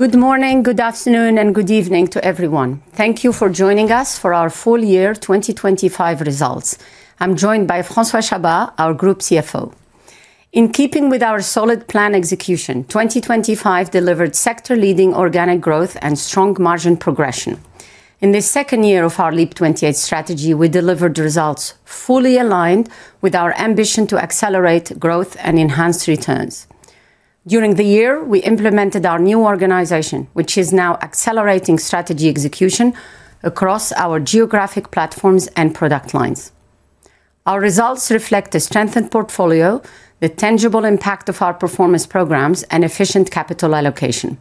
Good morning, good afternoon, and good evening to everyone. Thank you for joining us for our full year 2025 results. I'm joined by François Chabas, our Group CFO. In keeping with our solid plan execution, 2025 delivered sector-leading organic growth and strong margin progression. In the second year of our LEAP | 28 strategy, we delivered results fully aligned with our ambition to accelerate growth and enhance returns. During the year, we implemented our new organization, which is now accelerating strategy execution across our geographic platforms and product lines. Our results reflect a strengthened portfolio, the tangible impact of our performance programs, and efficient capital allocation.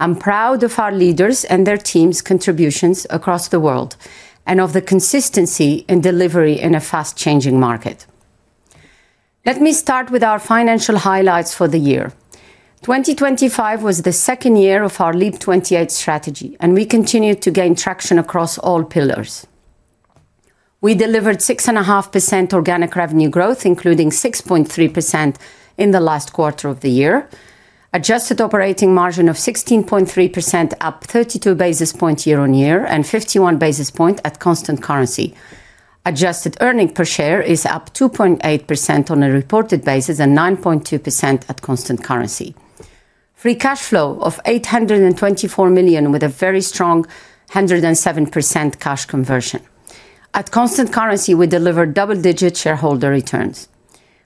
I'm proud of our leaders and their teams' contributions across the world, and of the consistency and delivery in a fast-changing market. Let me start with our financial highlights for the year. 2025 was the second year of our LEAP | 28 strategy. We continued to gain traction across all pillars. We delivered 6.5% organic revenue growth, including 6.3% in the last quarter of the year. Adjusted operating margin of 16.3%, up 32 basis points year-on-year, and 51 basis point at constant currency. Adjusted earnings per share is up 2.8% on a reported basis and 9.2% at constant currency. Free cash flow of 824 million, with a very strong 107% cash conversion. At constant currency, we delivered double-digit shareholder returns.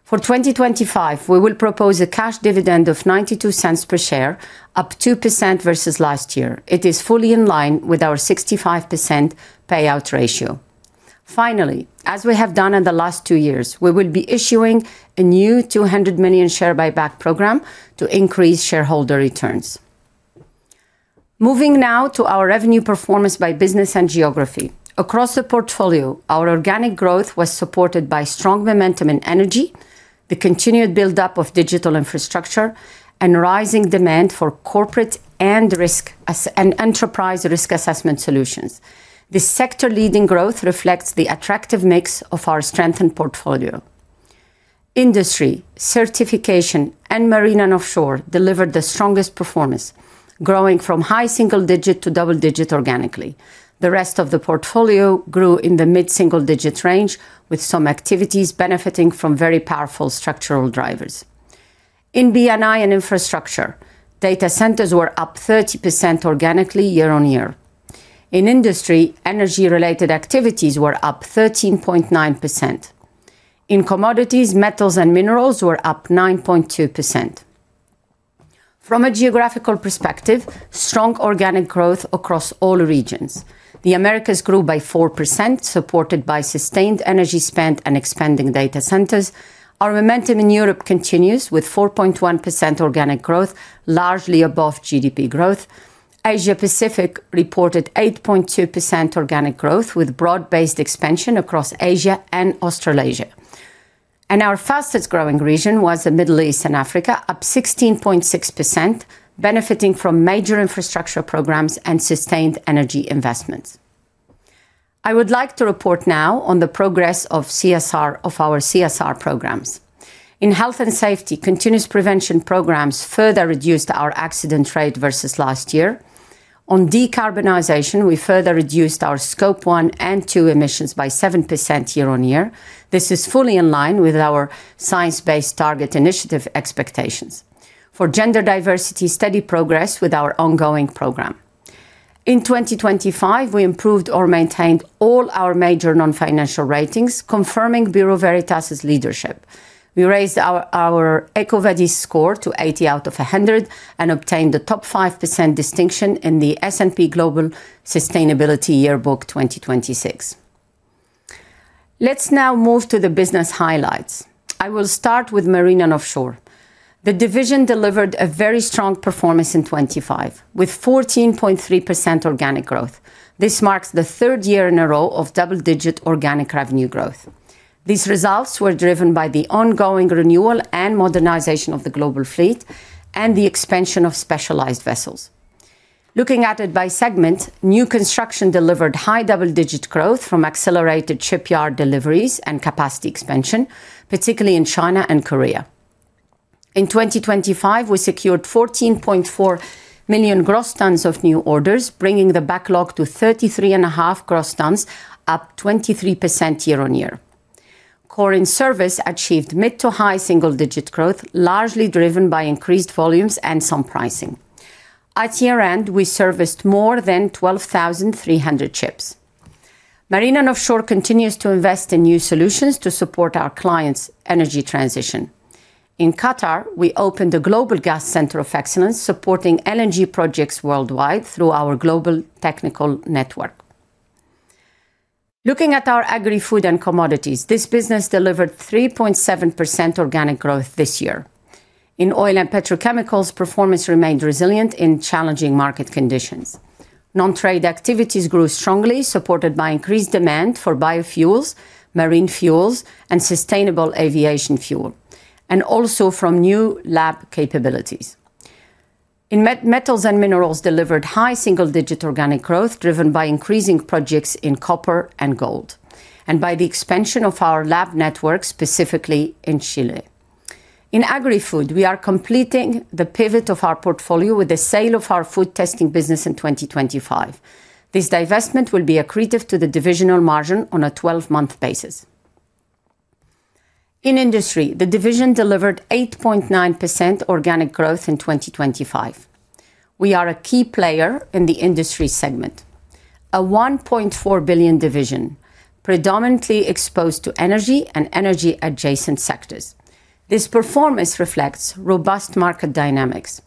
For 2025, we will propose a cash dividend of 0.92 per share, up 2% versus last year. It is fully in line with our 65% payout ratio. Finally, as we have done in the last two years, we will be issuing a new 200 million share buyback program to increase shareholder returns. Moving now to our revenue performance by business and geography. Across the portfolio, our organic growth was supported by strong momentum and energy, the continued buildup of digital infrastructure, and rising demand for corporate and enterprise risk assessment solutions. This sector-leading growth reflects the attractive mix of our strengthened portfolio. Industry, Certification, and Marine & Offshore delivered the strongest performance, growing from high single-digit to double-digit organically. The rest of the portfolio grew in the mid-single-digits range, with some activities benefiting from very powerful structural drivers. In B&I and infrastructure, data centers were up 30% organically year-on-year. In Industry, energy-related activities were up 13.9%. In commodities, metals and minerals were up 9.2%. From a geographical perspective, strong organic growth across all regions. The Americas grew by 4%, supported by sustained energy spend and expanding data centers. Our momentum in Europe continues with 4.1% organic growth, largely above GDP growth. Asia Pacific reported 8.2% organic growth, with broad-based expansion across Asia and Australasia. Our fastest growing region was the Middle East and Africa, up 16.6%, benefiting from major infrastructure programs and sustained energy investments. I would like to report now on the progress of CSR, of our CSR programs. In health and safety, continuous prevention programs further reduced our accident rate versus last year. On decarbonization, we further reduced our Scope 1 and 2 emissions by 7% year-on-year. This is fully in line with our Science Based Targets initiative expectations. For gender diversity, steady progress with our ongoing program. In 2025, we improved or maintained all our major non-financial ratings, confirming Bureau Veritas' leadership. We raised our EcoVadis score to 80 out of 100, and obtained the top 5% distinction in the S&P Global Sustainability Yearbook 2026. Let's now move to the business highlights. I will start with Marine & Offshore. The division delivered a very strong performance in 2025, with 14.3% organic growth. This marks the third year in a row of double-digit organic revenue growth. These results were driven by the ongoing renewal and modernization of the global fleet and the expansion of specialized vessels. Looking at it by segment, new construction delivered high double-digit growth from accelerated shipyard deliveries and capacity expansion, particularly in China and Korea. In 2025, we secured 14.4 million gross tons of new orders, bringing the backlog to 33.5 gross tons, up 23% year-on-year. Core in service achieved mid to high single-digit growth, largely driven by increased volumes and some pricing. At year-end, we serviced more than 12,300 ships. Marine & Offshore continues to invest in new solutions to support our clients' energy transition. In Qatar, we opened a global gas center of excellence, supporting LNG projects worldwide through our global technical network. Looking at our Agri-Food & Commodities, this business delivered 3.7% organic growth this year. In oil and petrochemicals, performance remained resilient in challenging market conditions. Non-trade activities grew strongly, supported by increased demand for biofuels, marine fuels, and Sustainable Aviation Fuel, and also from new lab capabilities. Metals and minerals delivered high single-digit organic growth, driven by increasing projects in copper and gold, and by the expansion of our lab network, specifically in Chile. In Agri-Food, we are completing the pivot of our portfolio with the sale of our food testing business in 2025. This divestment will be accretive to the divisional margin on a 12-month basis. In Industry, the division delivered 8.9% organic growth in 2025. We are a key player in the Industry segment, a 1.4 billion division predominantly exposed to energy and energy-adjacent sectors. This performance reflects robust market dynamics,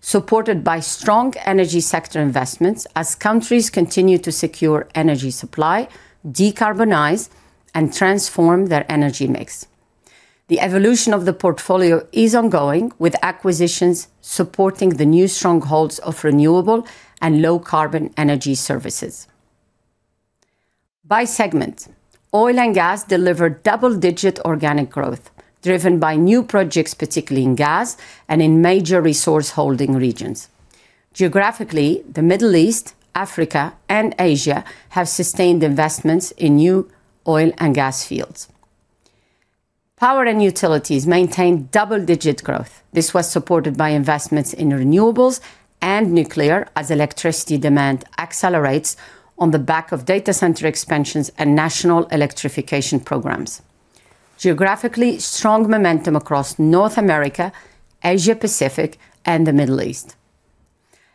supported by strong energy sector investments as countries continue to secure energy supply, decarbonize, and transform their energy mix. The evolution of the portfolio is ongoing, with acquisitions supporting the New Strongholds of renewable and low-carbon energy services. By segment, oil and gas delivered double-digit organic growth, driven by new projects, particularly in gas and in major resource-holding regions. Geographically, the Middle East, Africa, and Asia have sustained investments in new oil and gas fields. Power and utilities maintain double-digit growth. This was supported by investments in renewables and nuclear as electricity demand accelerates on the back of data center expansions and national electrification programs. Geographically, strong momentum across North America, Asia Pacific, and the Middle East.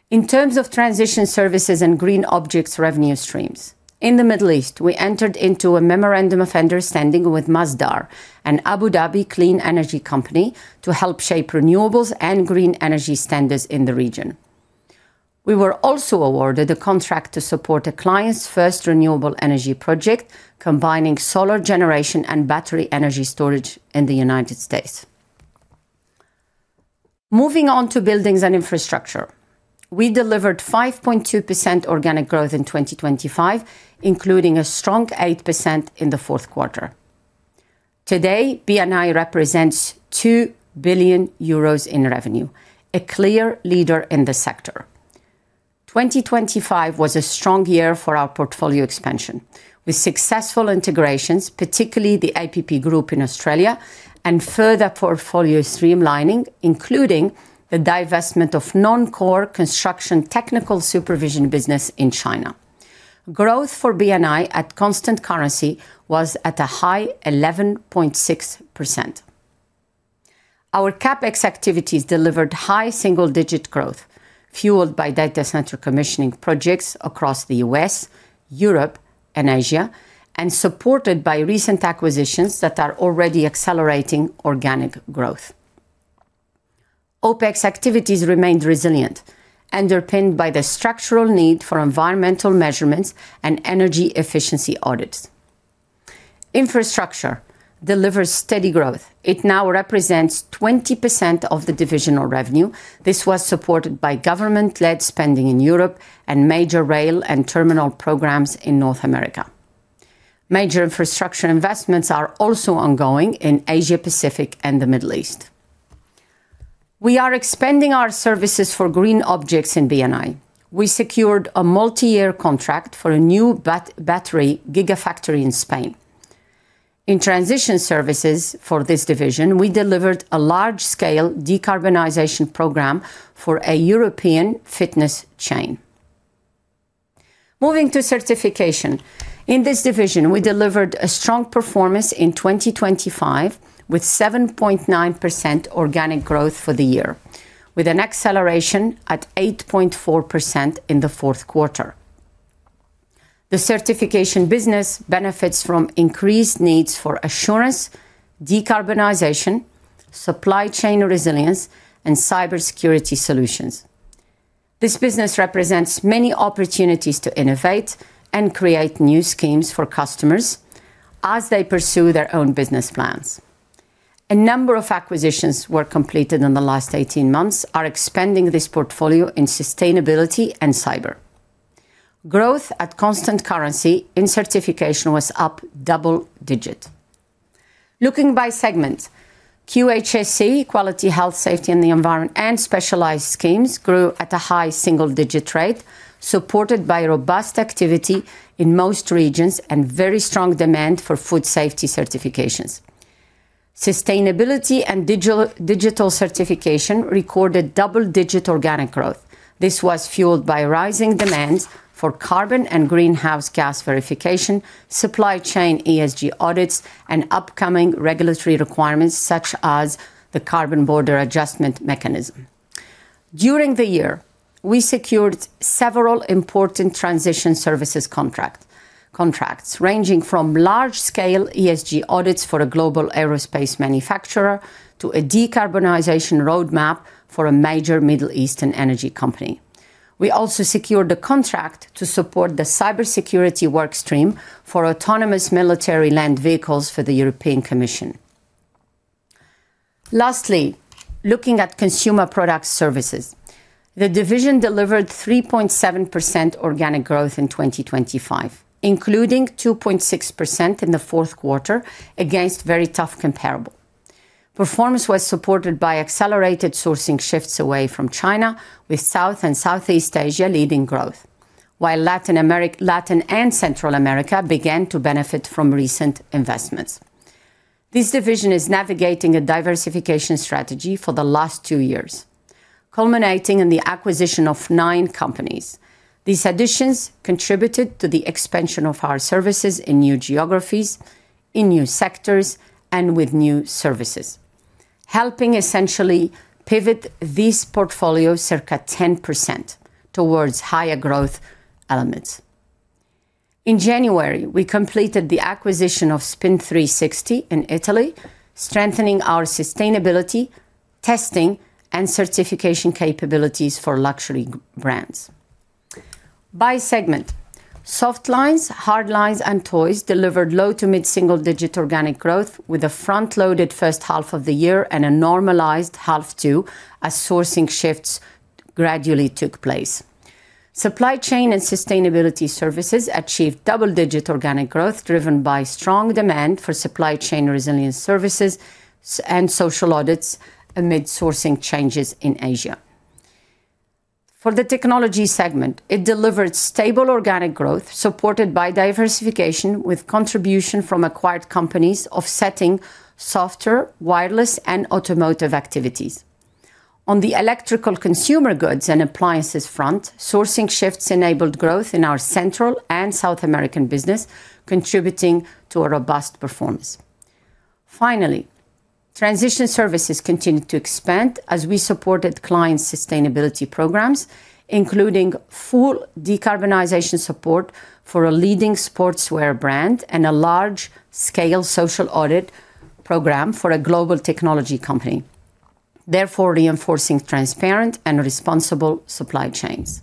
In terms of transition services and green objects revenue streams, in the Middle East, we entered into a Memorandum of Understanding with Masdar, an Abu Dhabi clean energy company, to help shape renewables and green energy standards in the region. We were also awarded a contract to support a client's first renewable energy project, combining solar generation and battery energy storage in the United States. Moving on to Buildings & Infrastructure, we delivered 5.2% organic growth in 2025, including a strong 8% in the fourth quarter. Today, B&I represents 2 billion euros in revenue, a clear leader in the sector. 2025 was a strong year for our portfolio expansion, with successful integrations, particularly The APP Group in Australia, and further portfolio streamlining, including the divestment of non-core construction technical supervision business in China. Growth for B&I at constant currency was at a high 11.6%. Our CapEx activities delivered high single-digit growth, fueled by data center commissioning projects across the U.S., Europe, and Asia, and supported by recent acquisitions that are already accelerating organic growth. OpEx activities remained resilient, underpinned by the structural need for environmental measurements and energy efficiency audits. Infrastructure delivers steady growth. It now represents 20% of the divisional revenue. This was supported by government-led spending in Europe and major rail and terminal programs in North America. Major infrastructure investments are also ongoing in Asia Pacific and the Middle East. We are expanding our services for green objects in B&I. We secured a multi-year contract for a new battery gigafactory in Spain. In transition services for this division, we delivered a large-scale decarbonization program for a European fitness chain. Moving to Certification. In this division, we delivered a strong performance in 2025, with 7.9% organic growth for the year, with an acceleration at 8.4% in the fourth quarter. The Certification business benefits from increased needs for assurance, decarbonization, supply chain resilience, and cybersecurity solutions. This business represents many opportunities to innovate and create new schemes for customers as they pursue their own business plans. A number of acquisitions were completed in the last 18 months are expanding this portfolio in sustainability and cyber. Growth at constant currency in Certification was up double-digit. Looking by segment, QHSE, quality, health, safety, and the environment, and specialized schemes grew at a high single-digit rate, supported by robust activity in most regions and very strong demand for food safety certifications. Sustainability and digital certification recorded double-digit organic growth. This was fueled by rising demands for carbon and greenhouse gas verification, supply chain ESG audits, and upcoming regulatory requirements, such as the Carbon Border Adjustment Mechanism. During the year, we secured several important transition services contracts, ranging from large-scale ESG audits for a global aerospace manufacturer to a decarbonization roadmap for a major Middle Eastern energy company. We also secured a contract to support the cybersecurity workstream for autonomous military land vehicles for the European Commission. Lastly, looking at Consumer Products Services, the division delivered 3.7% organic growth in 2025, including 2.6% in the fourth quarter against very tough comparable. Performance was supported by accelerated sourcing shifts away from China, with South and Southeast Asia leading growth. Latin and Central America began to benefit from recent investments. This division is navigating a diversification strategy for the last two years, culminating in the acquisition of nine companies. These additions contributed to the expansion of our services in new geographies, in new sectors, and with new services, helping essentially pivot this portfolio circa 10% towards higher growth elements. In January, we completed the acquisition of SPIN360 in Italy, strengthening our sustainability, testing, and certification capabilities for luxury brands. By segment, softlines, hardlines, and toys delivered low to mid-single-digit organic growth, with a front-loaded first half of the year and a normalized half two as sourcing shifts gradually took place. Supply chain and sustainability services achieved double-digit organic growth, driven by strong demand for supply chain resilience services and social audits amid sourcing changes in Asia. For the technology segment, it delivered stable organic growth, supported by diversification, with contribution from acquired companies offsetting softer, wireless, and automotive activities. On the electrical consumer goods and appliances front, sourcing shifts enabled growth in our Central and South American business, contributing to a robust performance. Finally, transition services continued to expand as we supported client sustainability programs, including full decarbonization support for a leading sportswear brand and a large-scale social audit program for a global technology company, therefore reinforcing transparent and responsible supply chains.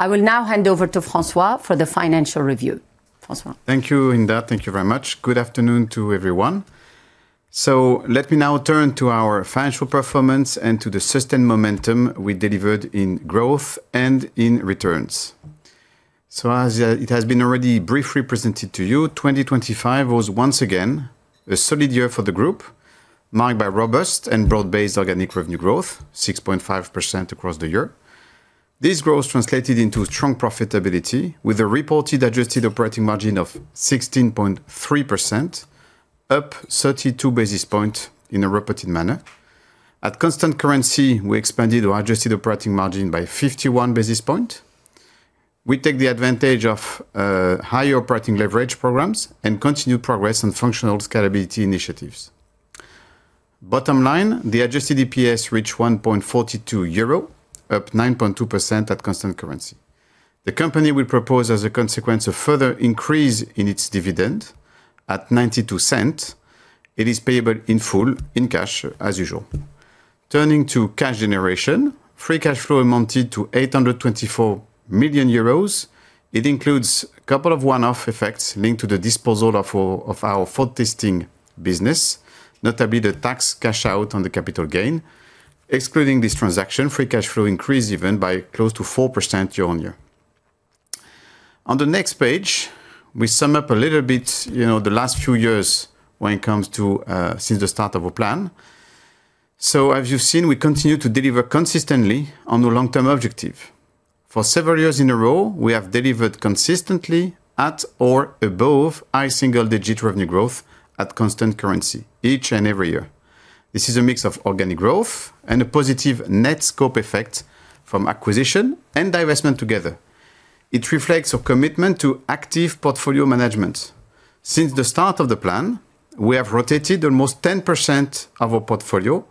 I will now hand over to François for the financial review. François? Thank you, Hinda. Thank you very much. Good afternoon to everyone. Let me now turn to our financial performance and to the sustained momentum we delivered in growth and in returns. As it has been already briefly presented to you, 2025 was once again a solid year for the group, marked by robust and broad-based organic revenue growth, 6.5% across the year. This growth translated into strong profitability, with a reported adjusted operating margin of 16.3%, up 32 basis points in a reported manner. At constant currency, we expanded our adjusted operating margin by 51 basis points. We take the advantage of higher operating leverage programs and continued progress on functional scalability initiatives. Bottom line, the adjusted EPS reached 1.42 euro, up 9.2% at constant currency. The company will propose, as a consequence, a further increase in its dividend at 0.92. It is payable in full in cash, as usual. Turning to cash generation, free cash flow amounted to 824 million euros. It includes a couple of one-off effects linked to the disposal of our food testing business, notably the tax cash out on the capital gain. Excluding this transaction, free cash flow increased even by close to 4% year-on-year. On the next page, we sum up a little bit, you know, the last few years when it comes to since the start of our plan. As you've seen, we continue to deliver consistently on the long-term objective. For several years in a row, we have delivered consistently at or above high single-digit revenue growth at constant currency each and every year. This is a mix of organic growth and a positive net scope effect from acquisition and divestment together. It reflects our commitment to active portfolio management. Since the start of the plan, we have rotated almost 10% of our portfolio,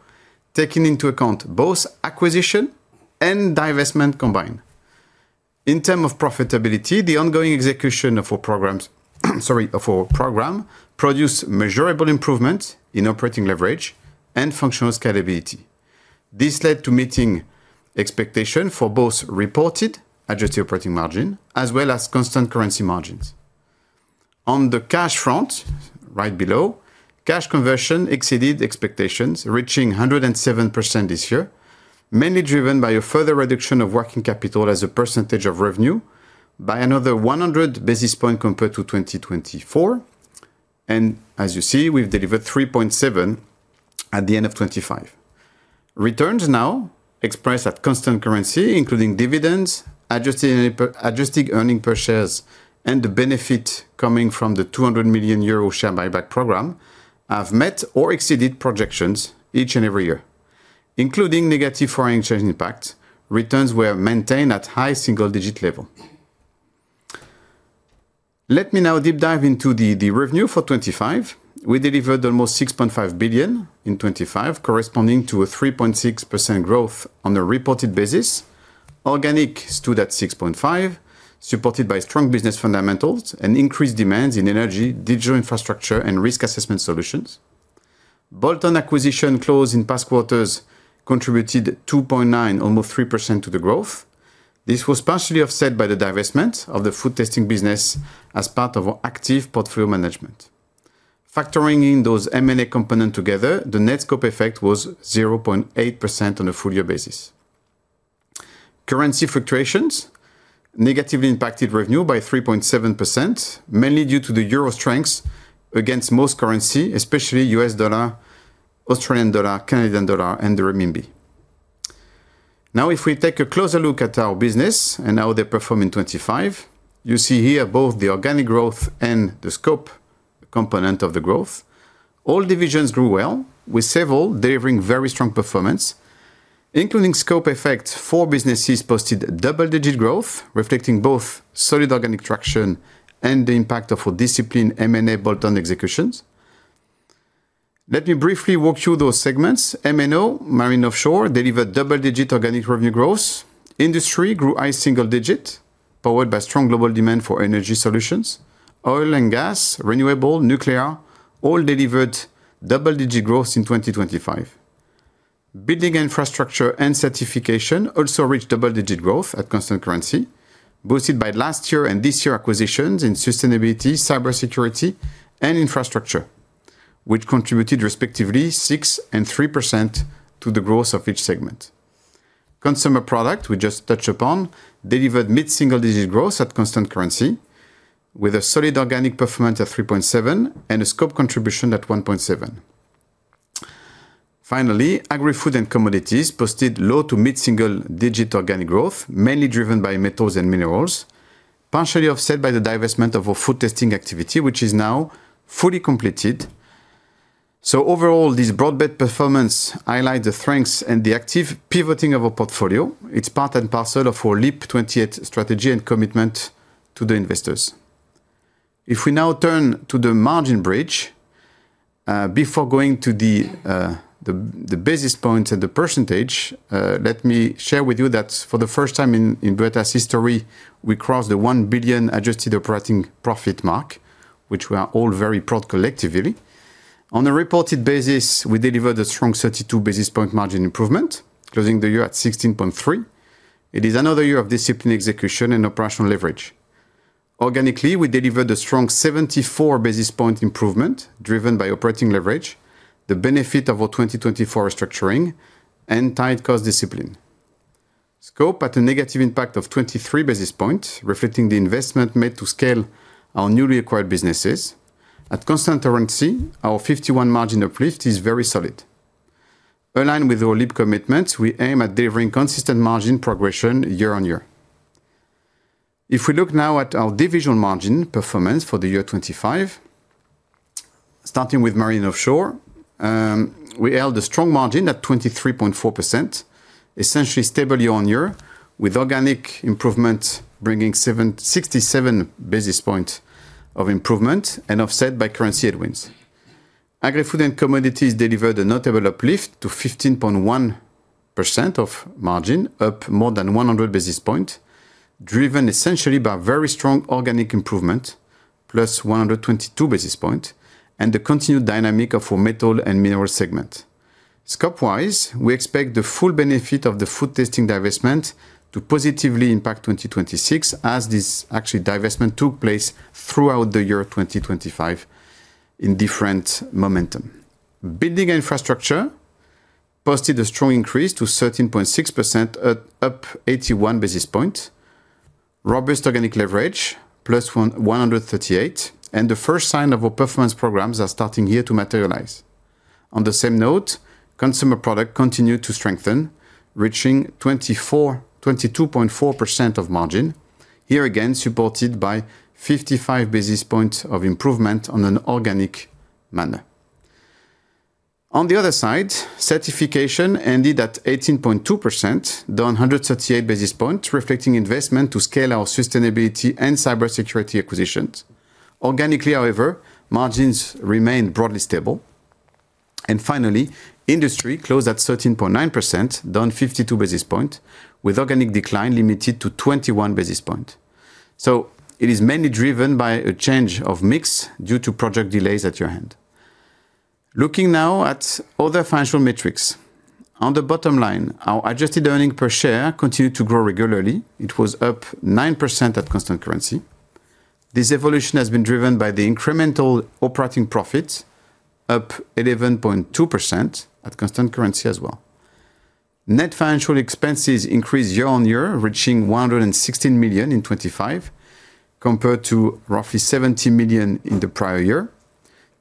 taking into account both acquisition and divestment combined. In terms of profitability, the ongoing execution of our program produced measurable improvement in operating leverage and functional scalability. This led to meeting expectations for both reported adjusted operating margin, as well as constant currency margins. On the cash front, right below, cash conversion exceeded expectations, reaching 107% this year, mainly driven by a further reduction of working capital as a percentage of revenue by another 100 basis points compared to 2024. As you see, we've delivered 3.7% at the end of 2025. Returns now expressed at constant currency, including dividends, adjusted earnings per share, and the benefit coming from the 200 million euro share buyback program, have met or exceeded projections each and every year. Including negative foreign exchange impact, returns were maintained at high single-digit level. Let me now deep dive into the revenue for 2025. We delivered almost 6.5 billion in 2025, corresponding to a 3.6% growth on a reported basis. Organic stood at 6.5%, supported by strong business fundamentals and increased demands in energy, digital infrastructure, and risk assessment solutions. Bolt-on acquisition closed in past quarters contributed 2.9%, almost 3% to the growth. This was partially offset by the divestment of the food testing business as part of our active portfolio management. Factoring in those M&A component together, the net scope effect was 0.8% on a full-year basis. Currency fluctuations negatively impacted revenue by 3.7%, mainly due to the euro strength against most currency, especially U.S. dollar, Australian dollar, Canadian dollar, and the renminbi. If we take a closer look at our business and how they perform in 2025, you see here both the organic growth and the scope component of the growth. All divisions grew well, with several delivering very strong performance, including scope effect. Four businesses posted double-digit growth, reflecting both solid organic traction and the impact of our discipline M&A bolt-on executions. Let me briefly walk you those segments. M&O, Marine & Offshore, delivered double-digit organic revenue growth. Industry grew high single digit, powered by strong global demand for energy solutions. Oil and gas, renewable, nuclear, all delivered double-digit growth in 2025. Building Infrastructure and Certification also reached double-digit growth at constant currency, boosted by last year and this year acquisitions in sustainability, cybersecurity, and infrastructure, which contributed respectively 6% and 3% to the growth of each segment. Consumer Product, we just touched upon, delivered mid-single-digit growth at constant currency, with a solid organic performance of 3.7% and a scope contribution at 1.7%. Finally, Agri-Food & Commodities posted low to mid-single-digit organic growth, mainly driven by metals and minerals, partially offset by the divestment of our food testing activity, which is now fully completed. Overall, this broad-based performance highlight the strengths and the active pivoting of our portfolio. It's part and parcel of our LEAP | 28 strategy and commitment to the investors. If we now turn to the margin bridge, before going to the business point and the percentage, let me share with you that for the first time in Bureau Veritas history, we crossed the 1 billion adjusted operating profit mark, which we are all very proud collectively. On a reported basis, we delivered a strong 32 basis point margin improvement, closing the year at 16.3%. It is another year of disciplined execution and operating leverage. Organically, we delivered a strong 74 basis point improvement, driven by operating leverage, the benefit of our 2024 restructuring and tight cost discipline. Scope at a negative impact of 23 basis points, reflecting the investment made to scale our newly acquired businesses. At constant currency, our 51% margin uplift is very solid. Aligned with our LEAP commitment, we aim at delivering consistent margin progression year-on-year. If we look now at our division margin performance for the year 2025, starting with Marine & Offshore, we held a strong margin at 23.4%, essentially stable year-on-year, with organic improvement, bringing 67 basis points of improvement and offset by currency headwinds. Agri-Food & Commodities delivered a notable uplift to 15.1% of margin, up more than 100 basis point, driven essentially by very strong organic improvement, +122 basis point, and the continued dynamic of our metal and mineral segment. Scope-wise, we expect the full benefit of the food testing divestment to positively impact 2026, as this actually divestment took place throughout the year 2025 in different momentum. Buildings & Infrastructure posted a strong increase to 13.6%, up 81 basis point. Robust organic leverage, +138 basis points, the first sign of our performance programs are starting here to materialize. The same note, consumer product continued to strengthen, reaching 22.4% of margin. Here again, supported by 55 basis points of improvement on an organic manner. The other side, Certification ended at 18.2%, down 138 basis points, reflecting investment to scale our sustainability and cybersecurity acquisitions. Organically, however, margins remained broadly stable. Finally, Industry closed at 13.9%, down 52 basis point, with organic decline limited to 21 basis point. It is mainly driven by a change of mix due to project delays at your end. Looking now at other financial metrics. The bottom line, our adjusted earnings per share continued to grow regularly. It was up 9% at constant currency. This evolution has been driven by the incremental operating profit, up 11.2% at constant currency as well. Net financial expenses increased year-on-year, reaching 116 million in 2025, compared to roughly 70 million in the prior year.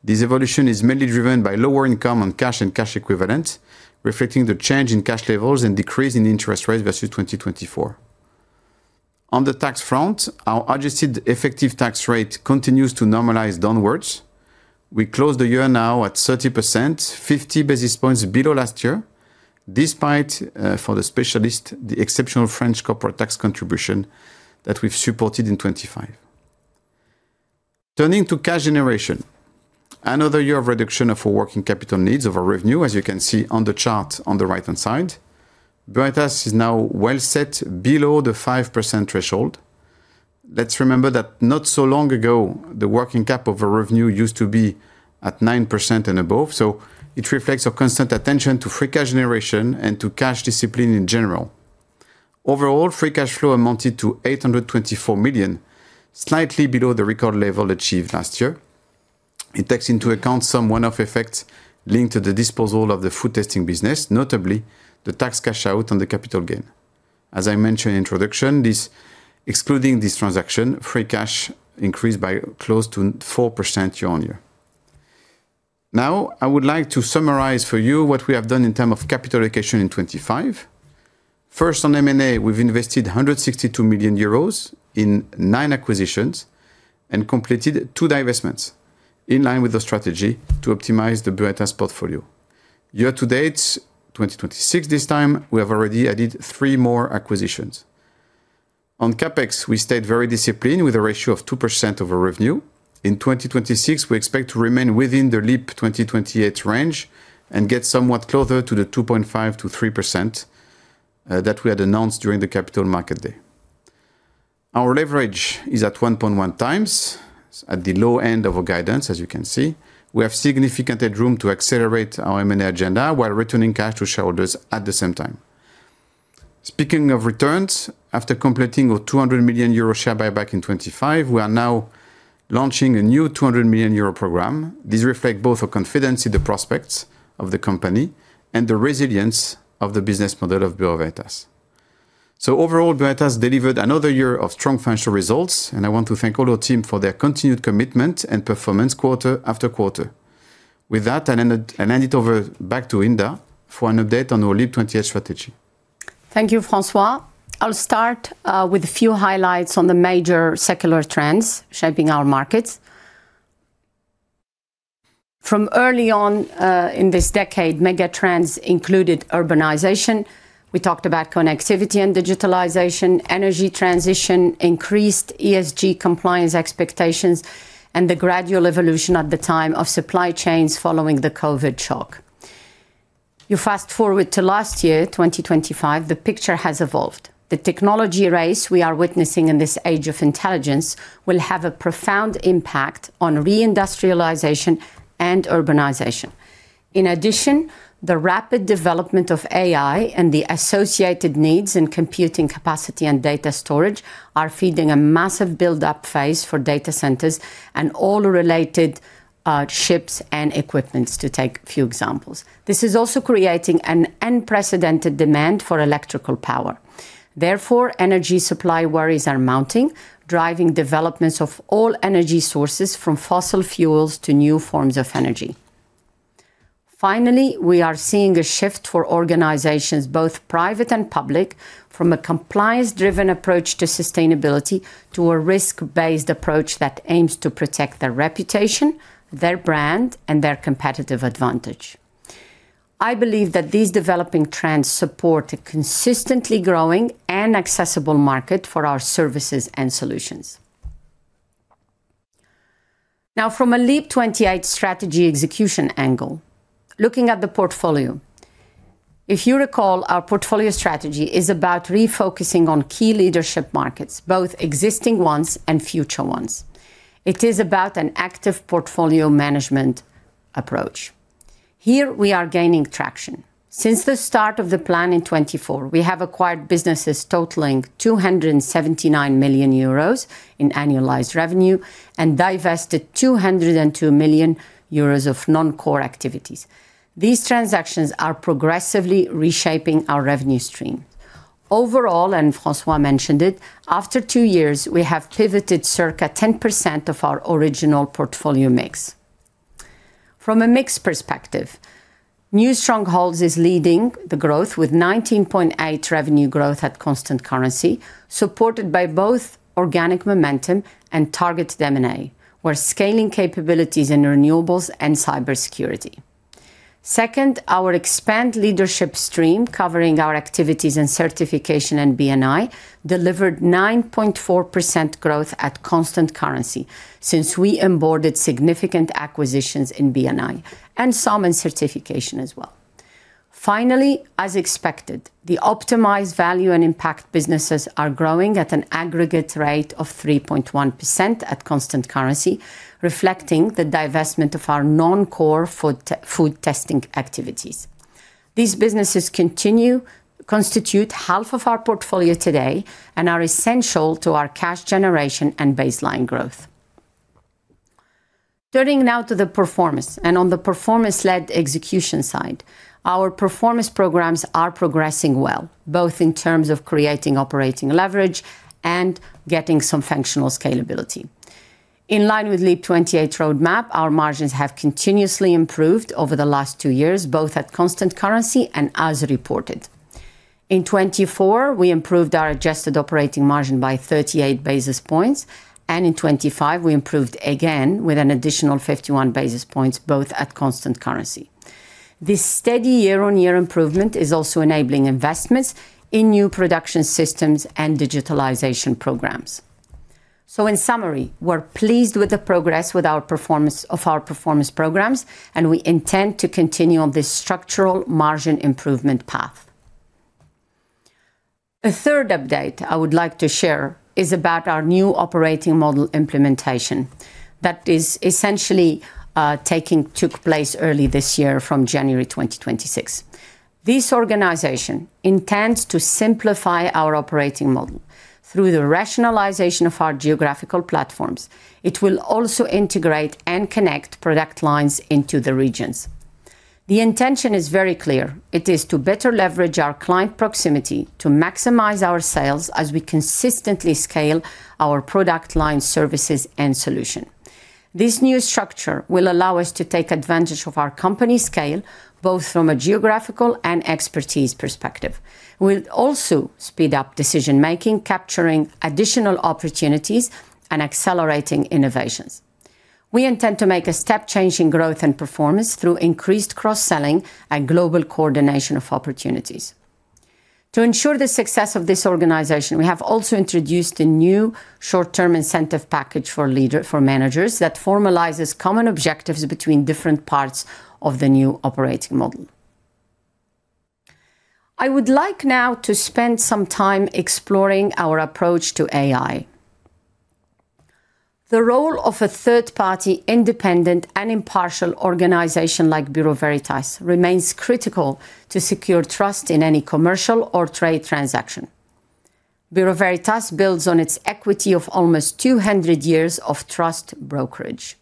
This evolution is mainly driven by lower income on cash and cash equivalents, reflecting the change in cash levels and decrease in interest rates versus 2024. On the tax front, our adjusted effective tax rate continues to normalize downwards. We closed the year now at 30%, 50 basis points below last year, despite, for the specialist, the exceptional French corporate tax contribution that we've supported in 2025. Turning to cash generation. Another year of reduction of our working capital needs of our revenue, as you can see on the chart on the right-hand side. Veritas is now well set below the 5% threshold. Let's remember that not so long ago, the working cap of our revenue used to be at 9% and above. It reflects our constant attention to free cash generation and to cash discipline in general. Overall, free cash flow amounted to 824 million, slightly below the record level achieved last year. It takes into account some one-off effects linked to the disposal of the food testing business, notably the tax cash out on the capital gain. As I mentioned in introduction, this excluding this transaction, free cash increased by close to 4% year-on-year. I would like to summarize for you what we have done in terms of capital allocation in 2025. On M&A, we've invested 162 million euros in nine acquisitions and completed two divestments, in line with the strategy to optimize the Bureau Veritas portfolio. Year-to-date, 2026 this time, we have already added three more acquisitions. On CapEx, we stayed very disciplined with a ratio of 2% of our revenue. In 2026, we expect to remain within the LEAP | 28 range and get somewhat closer to the 2.5%-3% that we had announced during the Capital Market Day. Our leverage is at 1.1x, at the low end of our guidance, as you can see. We have significant headroom to accelerate our M&A agenda while returning cash to shareholders at the same time. Speaking of returns, after completing our 200 million euro share buyback in 2025, we are now launching a new 200 million euro program. These reflect both a confidence in the prospects of the company and the resilience of the business model of Bureau Veritas. Overall, Bureau Veritas delivered another year of strong financial results, and I want to thank all our team for their continued commitment and performance quarter after quarter. With that, I hand it over back to Hinda for an update on our LEAP | 28 strategy. Thank you, François. I'll start with a few highlights on the major secular trends shaping our markets. From early on, in this decade, mega trends included urbanization. We talked about connectivity and digitalization, energy transition, increased ESG compliance expectations, and the gradual evolution at the time of supply chains following the COVID shock. You fast-forward to last year, 2025, the picture has evolved. The technology race we are witnessing in this age of intelligence will have a profound impact on re-industrialization and urbanization. In addition, the rapid development of AI and the associated needs in computing capacity and data storage are feeding a massive buildup phase for data centers and all the related chips and equipments to take a few examples. This is also creating an unprecedented demand for electrical power. Therefore, energy supply worries are mounting, driving developments of all energy sources, from fossil fuels to new forms of energy. We are seeing a shift for organizations, both private and public, from a compliance-driven approach to sustainability, to a risk-based approach that aims to protect their reputation, their brand, and their competitive advantage. I believe that these developing trends support a consistently growing and accessible market for our services and solutions. From a LEAP | 28 strategy execution angle, looking at the portfolio. If you recall, our portfolio strategy is about refocusing on key leadership markets, both existing ones and future ones. It is about an active portfolio management approach. Here, we are gaining traction. Since the start of the plan in 2024, we have acquired businesses totaling 279 million euros in annualized revenue and divested 202 million euros of non-core activities. These transactions are progressively reshaping our revenue stream. Overall, François mentioned it, after two years, we have pivoted circa 10% of our original portfolio mix. From a mix perspective, new strongholds is leading the growth with 19.8% revenue growth at constant currency, supported by both organic momentum and target M&A. We're scaling capabilities in renewables and cybersecurity. Second, our expand leadership stream, covering our activities in Certification and B&I, delivered 9.4% growth at constant currency since we onboarded significant acquisitions in B&I and some in Certification as well. Finally, as expected, the optimized value and impact businesses are growing at an aggregate rate of 3.1% at constant currency, reflecting the divestment of our non-core food testing activities. These businesses constitute half of our portfolio today and are essential to our cash generation and baseline growth. Turning now to the performance, on the performance-led execution side, our performance programs are progressing well, both in terms of creating operating leverage and getting some functional scalability. In line with LEAP | 28 roadmap, our margins have continuously improved over the last two years, both at constant currency and as reported. In 2024, we improved our adjusted operating margin by 38 basis points. In 2025, we improved again with an additional 51 basis points, both at constant currency. This steady year-on-year improvement is also enabling investments in new production systems and digitalization programs. In summary, we're pleased with the progress of our performance programs, and we intend to continue on this structural margin improvement path. The third update I would like to share is about our new operating model implementation that is essentially, took place early this year from January 2026. This organization intends to simplify our operating model through the rationalization of our geographical platforms. It will also integrate and connect product lines into the regions. The intention is very clear. It is to better leverage our client proximity, to maximize our sales as we consistently scale our product line services and solution. This new structure will allow us to take advantage of our company scale, both from a geographical and expertise perspective. We'll also speed up decision making, capturing additional opportunities, and accelerating innovations. We intend to make a step change in growth and performance through increased cross-selling and global coordination of opportunities. To ensure the success of this organization, we have also introduced a new short-term incentive package for managers, that formalizes common objectives between different parts of the new operating model. I would like now to spend some time exploring our approach to AI. The role of a third-party, independent, and impartial organization like Bureau Veritas remains critical to secure trust in any commercial or trade transaction. Bureau Veritas builds on its equity of almost 200 years of trust brokerage.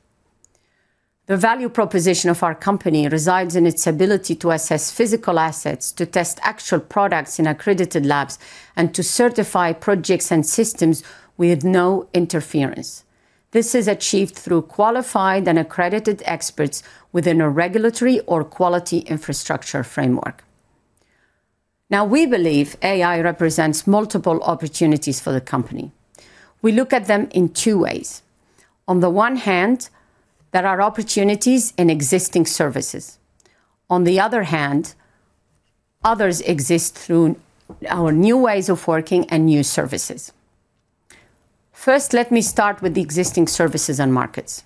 The value proposition of our company resides in its ability to assess physical assets, to test actual products in accredited labs, and to certify projects and systems with no interference. This is achieved through qualified and accredited experts within a regulatory or quality infrastructure framework. We believe AI represents multiple opportunities for the company. We look at them in two ways. On the one hand, there are opportunities in existing services. On the other hand, others exist through our new ways of working and new services. First, let me start with the existing services and markets.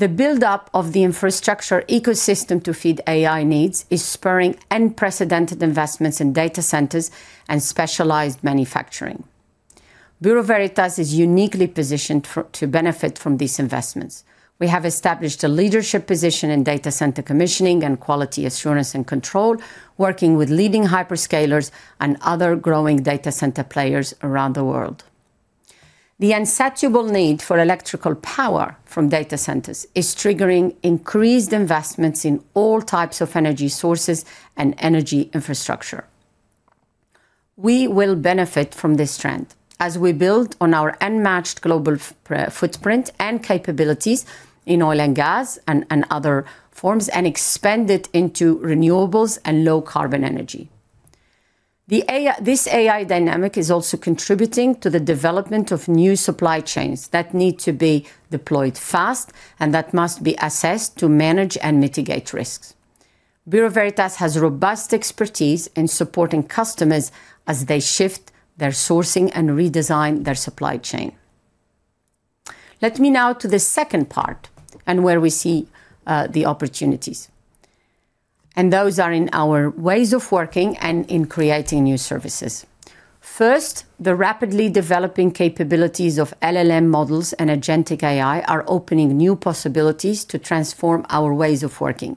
The buildup of the infrastructure ecosystem to feed AI needs is spurring unprecedented investments in data centers and specialized manufacturing. Bureau Veritas is uniquely positioned to benefit from these investments. We have established a leadership position in data center commissioning and quality assurance and control, working with leading hyperscalers and other growing data center players around the world. The insatiable need for electrical power from data centers is triggering increased investments in all types of energy sources and energy infrastructure. We will benefit from this trend as we build on our unmatched global footprint and capabilities in oil and gas and other forms, and expand it into renewables and low-carbon energy. This AI dynamic is also contributing to the development of new supply chains that need to be deployed fast, and that must be assessed to manage and mitigate risks. Bureau Veritas has robust expertise in supporting customers as they shift their sourcing and redesign their supply chain. Let me now to the second part, and where we see the opportunities, and those are in our ways of working and in creating new services. First, the rapidly developing capabilities of LLM models and agentic AI are opening new possibilities to transform our ways of working,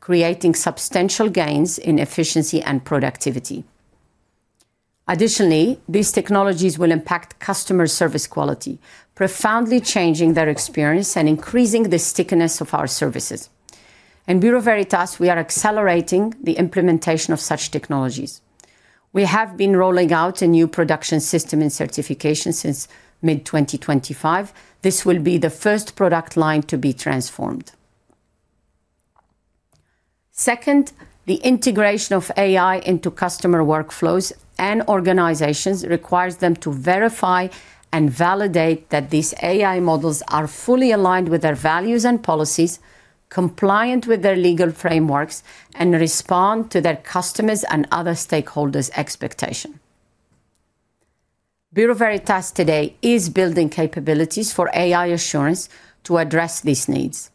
creating substantial gains in efficiency and productivity. Additionally, these technologies will impact customer service quality, profoundly changing their experience and increasing the stickiness of our services. In Bureau Veritas, we are accelerating the implementation of such technologies. We have been rolling out a new production system and certification since mid-2025. This will be the first product line to be transformed. Second, the integration of AI into customer workflows and organizations requires them to verify and validate that these AI models are fully aligned with their values and policies, compliant with their legal frameworks, and respond to their customers' and other stakeholders' expectation. Bureau Veritas today is building capabilities for AI assurance to address these needs,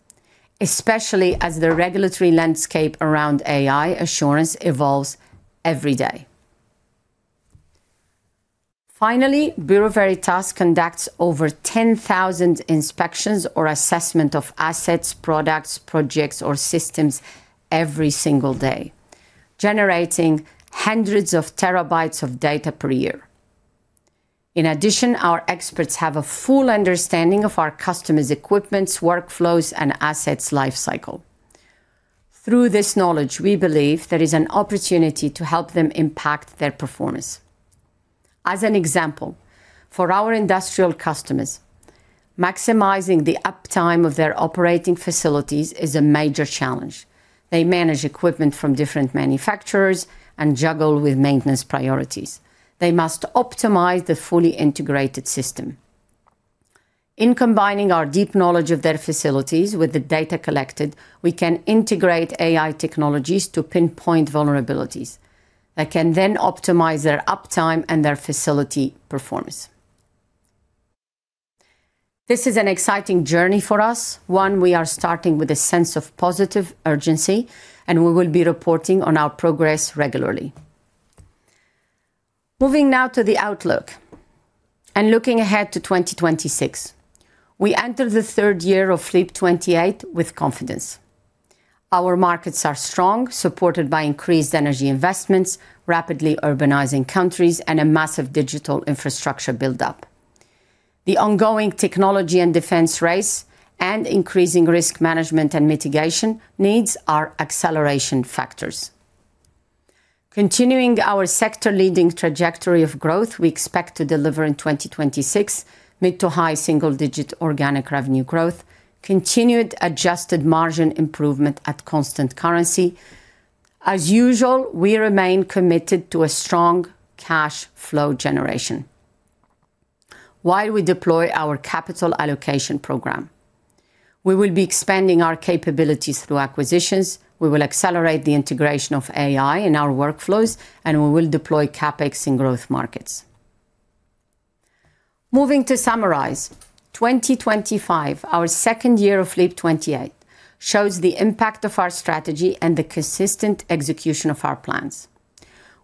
especially as the regulatory landscape around AI assurance evolves every day. Finally, Bureau Veritas conducts over 10,000 inspections or assessment of assets, products, projects, or systems every single day, generating hundreds of terabytes of data per year. In addition, our experts have a full understanding of our customers' equipments, workflows, and assets lifecycle. Through this knowledge, we believe there is an opportunity to help them impact their performance. As an example, for our industrial customers, maximizing the uptime of their operating facilities is a major challenge. They manage equipment from different manufacturers and juggle with maintenance priorities. They must optimize the fully integrated system. In combining our deep knowledge of their facilities with the data collected, we can integrate AI technologies to pinpoint vulnerabilities that can then optimize their uptime and their facility performance. This is an exciting journey for us, one we are starting with a sense of positive urgency, and we will be reporting on our progress regularly. Moving now to the outlook and looking ahead to 2026, we enter the third year of LEAP | 28 with confidence. Our markets are strong, supported by increased energy investments, rapidly urbanizing countries, and a massive digital infrastructure buildup. The ongoing technology and defense race and increasing risk management and mitigation needs are acceleration factors. Continuing our sector-leading trajectory of growth, we expect to deliver in 2026 mid to high single-digit organic revenue growth, continued adjusted margin improvement at constant currency. As usual, we remain committed to a strong cash flow generation. While we deploy our capital allocation program, we will be expanding our capabilities through acquisitions, we will accelerate the integration of AI in our workflows, and we will deploy CapEx in growth markets. Moving to summarize, 2025, our second year of LEAP | 28, shows the impact of our strategy and the consistent execution of our plans.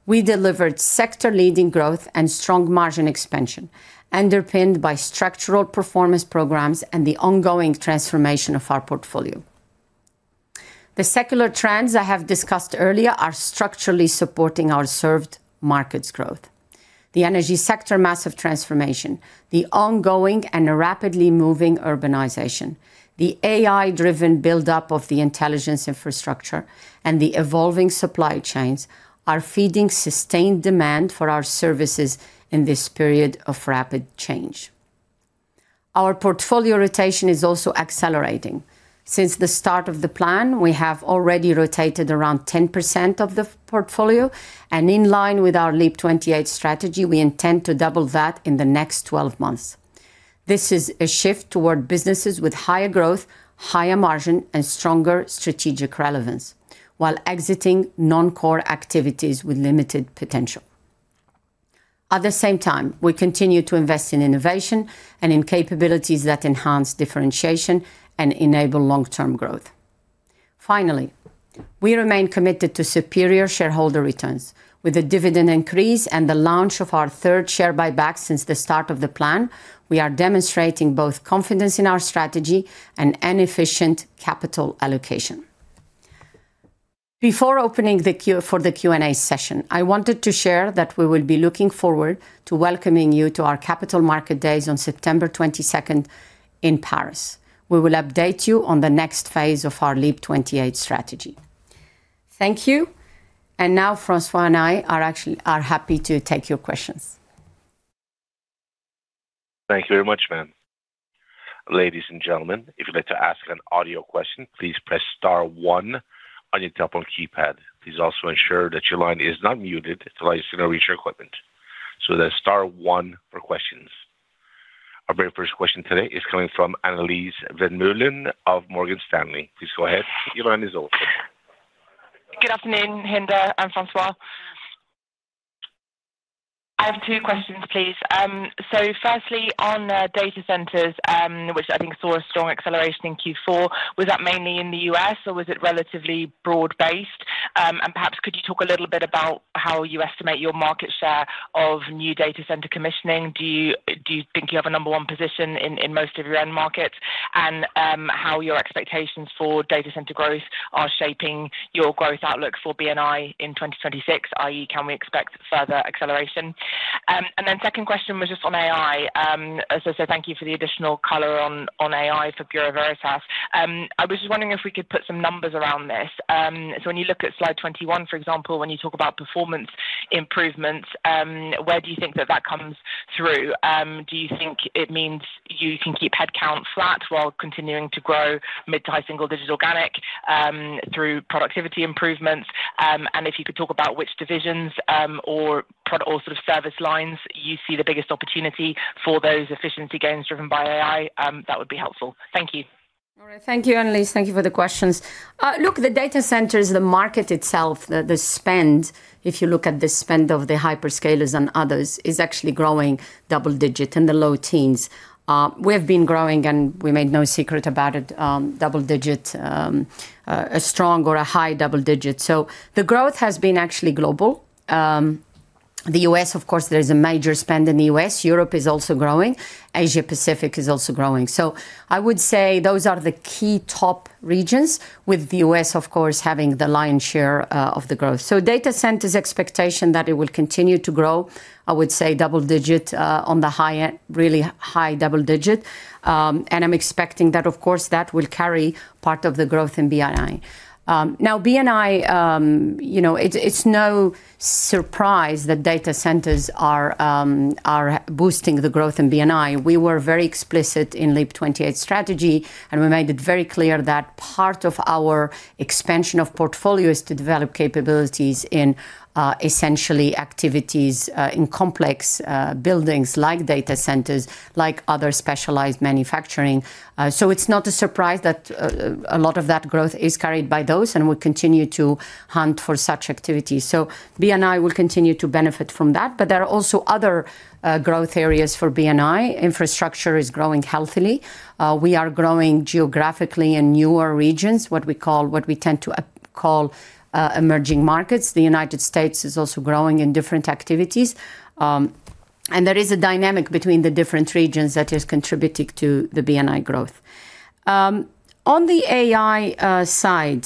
We delivered sector-leading growth and strong margin expansion, underpinned by structural performance programs and the ongoing transformation of our portfolio. The secular trends I have discussed earlier are structurally supporting our served markets growth. The energy sector massive transformation, the ongoing and rapidly moving urbanization, the AI-driven buildup of the intelligence infrastructure, and the evolving supply chains are feeding sustained demand for our services in this period of rapid change. Our portfolio rotation is also accelerating. Since the start of the plan, we have already rotated around 10% of the portfolio, and in line with our LEAP | 28 strategy, we intend to double that in the next 12 months. This is a shift toward businesses with higher growth, higher margin, and stronger strategic relevance, while exiting non-core activities with limited potential. At the same time, we continue to invest in innovation and in capabilities that enhance differentiation and enable long-term growth. Finally, we remain committed to superior shareholder returns. With a dividend increase and the launch of our third share buyback since the start of the plan, we are demonstrating both confidence in our strategy and an efficient capital allocation. Before opening for the Q&A session, I wanted to share that we will be looking forward to welcoming you to our Capital Market Days on September 22nd in Paris. We will update you on the next phase of our LEAP | 28 strategy. Thank you. Now François and I are actually happy to take your questions. Thank you very much, ma'am. Ladies and gentlemen, if you'd like to ask an audio question, please press star one on your telephone keypad. Please also ensure that your line is not muted until I signal reach for your equipment. That's star one for questions. Our very first question today is coming from Annelies Vermeulen of Morgan Stanley. Please go ahead. Your line is open. Good afternoon, Hinda and François. I have two questions, please. Firstly, on data centers, which I think saw a strong acceleration in Q4, was that mainly in the U.S. or was it relatively broad-based? Perhaps could you talk a little bit about how you estimate your market share of new data center commissioning? Do you think you have a number one position in most of your end markets? How your expectations for data center growth are shaping your growth outlook for B&I in 2026, i.e., can we expect further acceleration? Second question was just on AI. As I said, thank you for the additional color on AI for Bureau Veritas. I was just wondering if we could put some numbers around this. When you look at slide 21, for example, when you talk about performance improvements, where do you think that that comes through? Do you think it means you can keep headcount flat while continuing to grow mid to high single digits organic, through productivity improvements? And if you could talk about which divisions, or product or sort of service lines you see the biggest opportunity for those efficiency gains driven by AI, that would be helpful. Thank you. All right. Thank you, Annelies. Thank you for the questions. Look, the data centers, the market itself, the spend, if you look at the spend of the hyperscalers and others, is actually growing double-digit in the low teens. We have been growing, and we made no secret about it, double-digit, a strong or a high double-digit. The growth has been actually global. The U.S., of course, there is a major spend in the U.S. Europe is also growing. Asia Pacific is also growing. I would say those are the key top regions, with the U.S., of course, having the lion's share of the growth. Data centers expectation that it will continue to grow, I would say double-digit, on the high end, really high double-digit. I'm expecting that, of course, that will carry part of the growth in B&I. Now, B&I, you know, it's no surprise that data centers are boosting the growth in B&I. We were very explicit in LEAP | 28 strategy, and we made it very clear that part of our expansion of portfolio is to develop capabilities in essentially activities in complex buildings like data centers, like other specialized manufacturing. It's not a surprise that a lot of that growth is carried by those, and we continue to hunt for such activities. B&I will continue to benefit from that, but there are also other growth areas for B&I. Infrastructure is growing healthily. We are growing geographically in newer regions, what we tend to call emerging markets. The United States is also growing in different activities. There is a dynamic between the different regions that is contributing to the B&I growth. On the AI side,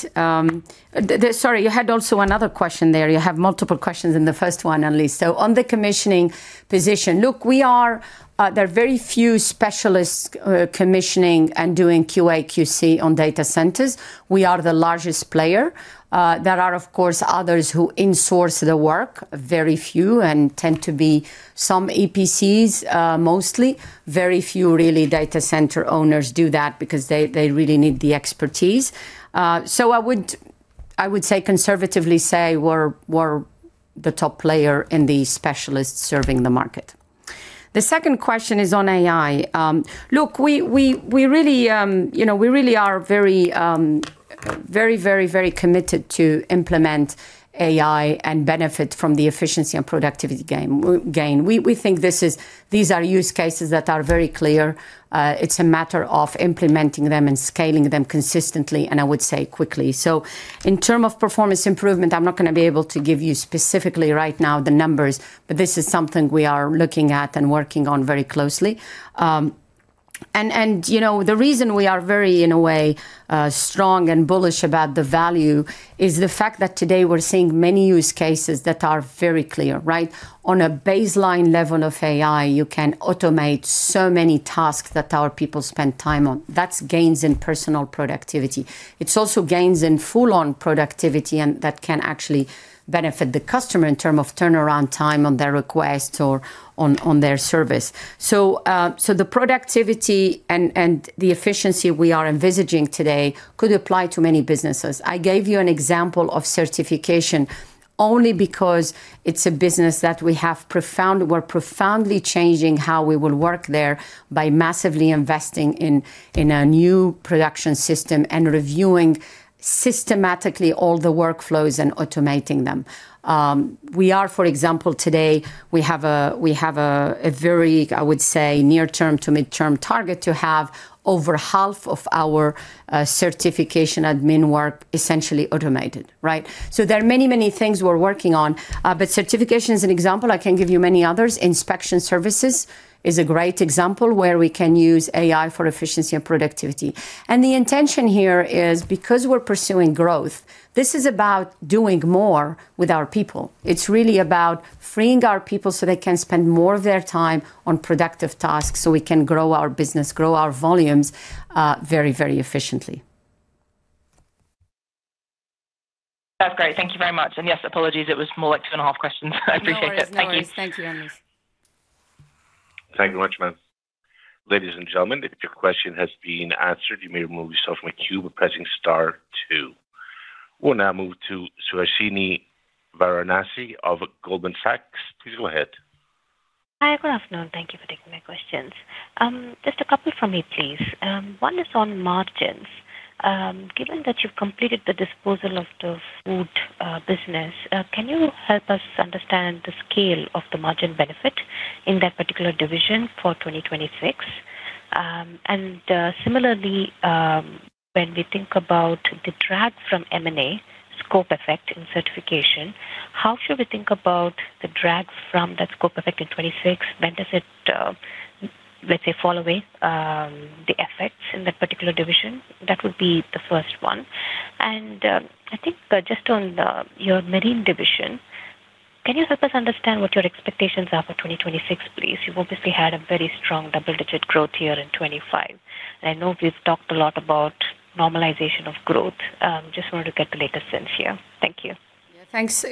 sorry, you had also another question there. You have multiple questions in the first one, at least. On the commissioning position, look, we are, there are very few specialists, commissioning and doing QA/QC on data centers. We are the largest player. There are, of course, others who in-source the work, very few, and tend to be some EPCs, mostly. Very few really data center owners do that because they really need the expertise. I would say, conservatively say we're the top player in the specialists serving the market. The second question is on AI. Look, we really, you know, we really are very committed to implement AI and benefit from the efficiency and productivity gain. We think these are use cases that are very clear. It's a matter of implementing them and scaling them consistently, and I would say quickly. In term of performance improvement, I'm not going to be able to give you specifically right now the numbers, but this is something we are looking at and working on very closely. And, you know, the reason we are very, in a way, strong and bullish about the value is the fact that today we're seeing many use cases that are very clear, right? On a baseline level of AI, you can automate so many tasks that our people spend time on. That's gains in personal productivity. It's also gains in full-on productivity, and that can actually benefit the customer in term of turnaround time on their request or on their service. The productivity and the efficiency we are envisaging today could apply to many businesses. I gave you an example of certification only because it's a business that we're profoundly changing how we will work there by massively investing in a new production system and reviewing systematically all the workflows and automating them. We are, for example, today, we have a very, I would say, near-term to mid-term target to have over half of our certification admin work essentially automated, right? There are many things we're working on, but certification is an example. I can give you many others. Inspection services is a great example where we can use AI for efficiency and productivity. The intention here is because we're pursuing growth, this is about doing more with our people. It's really about freeing our people so they can spend more of their time on productive tasks, so we can grow our business, grow our volumes, very efficiently. That's great. Thank you very much. Yes, apologies, it was more like two and a half questions. I appreciate it. Thank you. No worries. Thank you, Annelies. Thank you much, ma'am. Ladies and gentlemen, if your question has been answered, you may remove yourself from the queue by pressing star two. We'll now move to Suhasini Varanasi of Goldman Sachs. Please go ahead. Hi, good afternoon. Thank you for taking my questions. Just a couple from me, please. One is on margins. Given that you've completed the disposal of the food business, can you help us understand the scale of the margin benefit in that particular division for 2026? Similarly, when we think about the drag from M&A scope effect in Certification, how should we think about the drag from that scope effect in 2026? When does it, let's say, fall away, the effects in that particular division? That would be the first one. I think, just on your Marine division, can you help us understand what your expectations are for 2026, please? You've obviously had a very strong double-digit growth year in 2025. I know we've talked a lot about normalization of growth. Just wanted to get the latest sense here. Thank you. Yeah, thanks.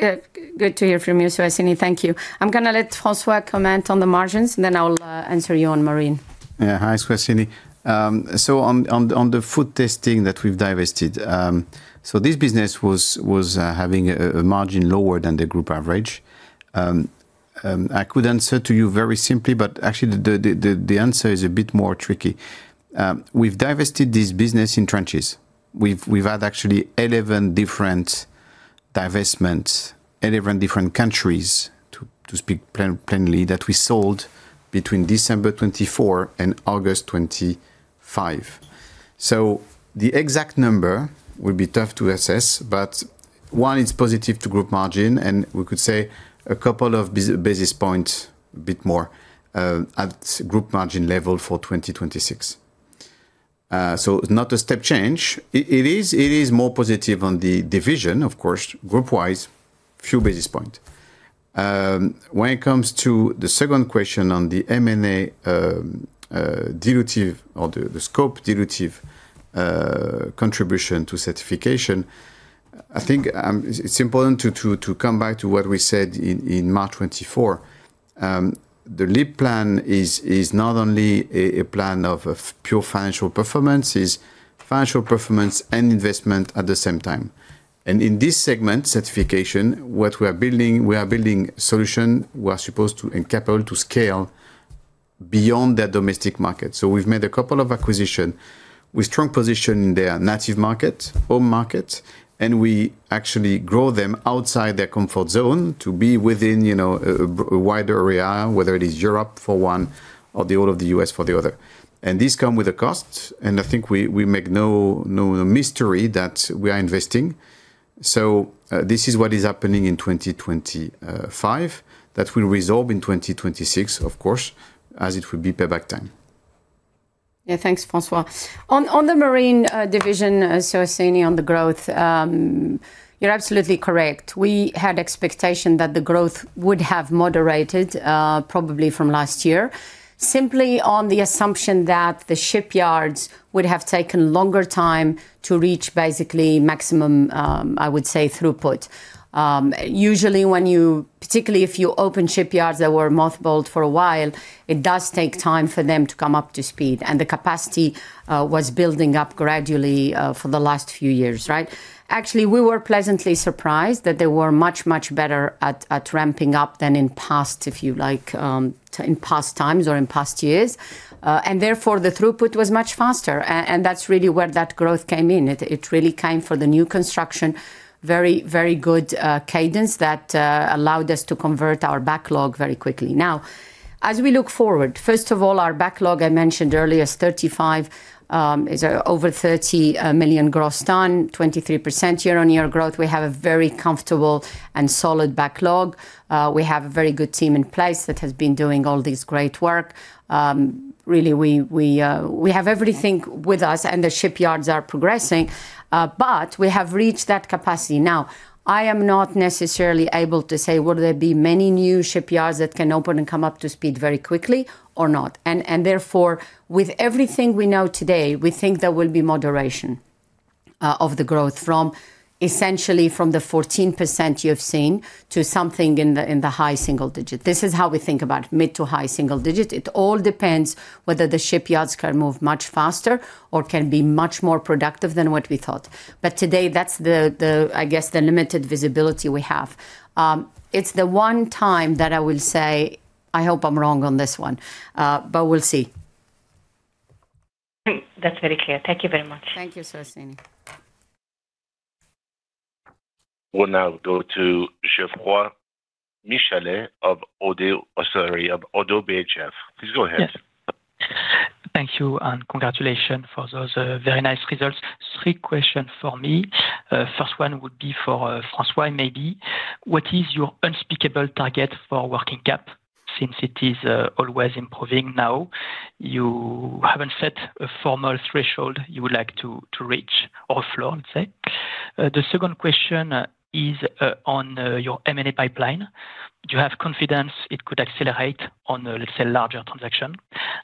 Good to hear from you, Suhasini. Thank you. I'm gonna let François comment on the margins, and then I'll answer you on Marine. Yeah. Hi, Suhasini. On the food testing that we've divested, this business was having a margin lower than the group average. I could answer to you very simply, actually, the answer is a bit more tricky. We've divested this business in tranches. We've had actually 11 different divestments, 11 different countries, to speak plainly, that we sold between December 2024 and August 2025. The exact number would be tough to assess, one, it's positive to group margin, we could say a couple of basis points, a bit more, at group margin level for 2026. Not a step change. It is more positive on the division, of course, group-wise, few basis point. When it comes to the second question on the M&A, dilutive or the scope dilutive, contribution to certification, I think, it's important to come back to what we said in March 2024. The LEAP plan is not only a plan of pure financial performance, it's financial performance and investment at the same time. In this segment, Certification, what we are building, we are building solution, we are supposed to and capable to scale beyond that domestic market. We've made a couple of acquisition with strong position in their native market, home market, and we actually grow them outside their comfort zone to be within, you know, a wider area, whether it is Europe for one or the all of the U.S. for the other. These come with a cost, and I think we make no mystery that we are investing. This is what is happening in 2025. That will resolve in 2026, of course, as it will be payback time. Thanks, François. On the Marine division, Suhasini, on the growth, you're absolutely correct. We had expectation that the growth would have moderated probably from last year, simply on the assumption that the shipyards would have taken longer time to reach basically maximum, I would say, throughput. Usually when particularly if you open shipyards that were mothballed for a while, it does take time for them to come up to speed, and the capacity was building up gradually for the last few years, right? Actually, we were pleasantly surprised that they were much better at ramping up than in past, if you like, in past times or in past years. Therefore, the throughput was much faster, and that's really where that growth came in. It really came for the new construction, very good cadence that allowed us to convert our backlog very quickly. Now, as we look forward, first of all, our backlog, I mentioned earlier, is 35, is over 30 million gross ton, 23% year-on-year growth. We have a very comfortable and solid backlog. We have a very good team in place that has been doing all this great work. Really, we have everything with us and the shipyards are progressing, but we have reached that capacity. Now, I am not necessarily able to say, will there be many new shipyards that can open and come up to speed very quickly or not? Therefore, with everything we know today, we think there will be moderation of the growth from essentially from the 14% you've seen to something in the high single-digit. This is how we think about mid to high single-digit. It all depends whether the shipyards can move much faster or can be much more productive than what we thought. Today, that's the, I guess, the limited visibility we have. It's the one time that I will say, I hope I'm wrong on this one, but we'll see. Great. That's very clear. Thank you very much. Thank you, Suhasini. We'll now go to Geoffroy Michalet of ODDO... Oh, sorry, of ODDO BHF. Please go ahead. Yes. Thank you, and congratulations for those very nice results. Three question for me. First one would be for François, maybe. What is your unspeakable target for working cap, since it is always improving now? You haven't set a formal threshold you would like to reach or floor, I'd say. The second question is on your M&A pipeline. Do you have confidence it could accelerate on, let's say, larger transaction?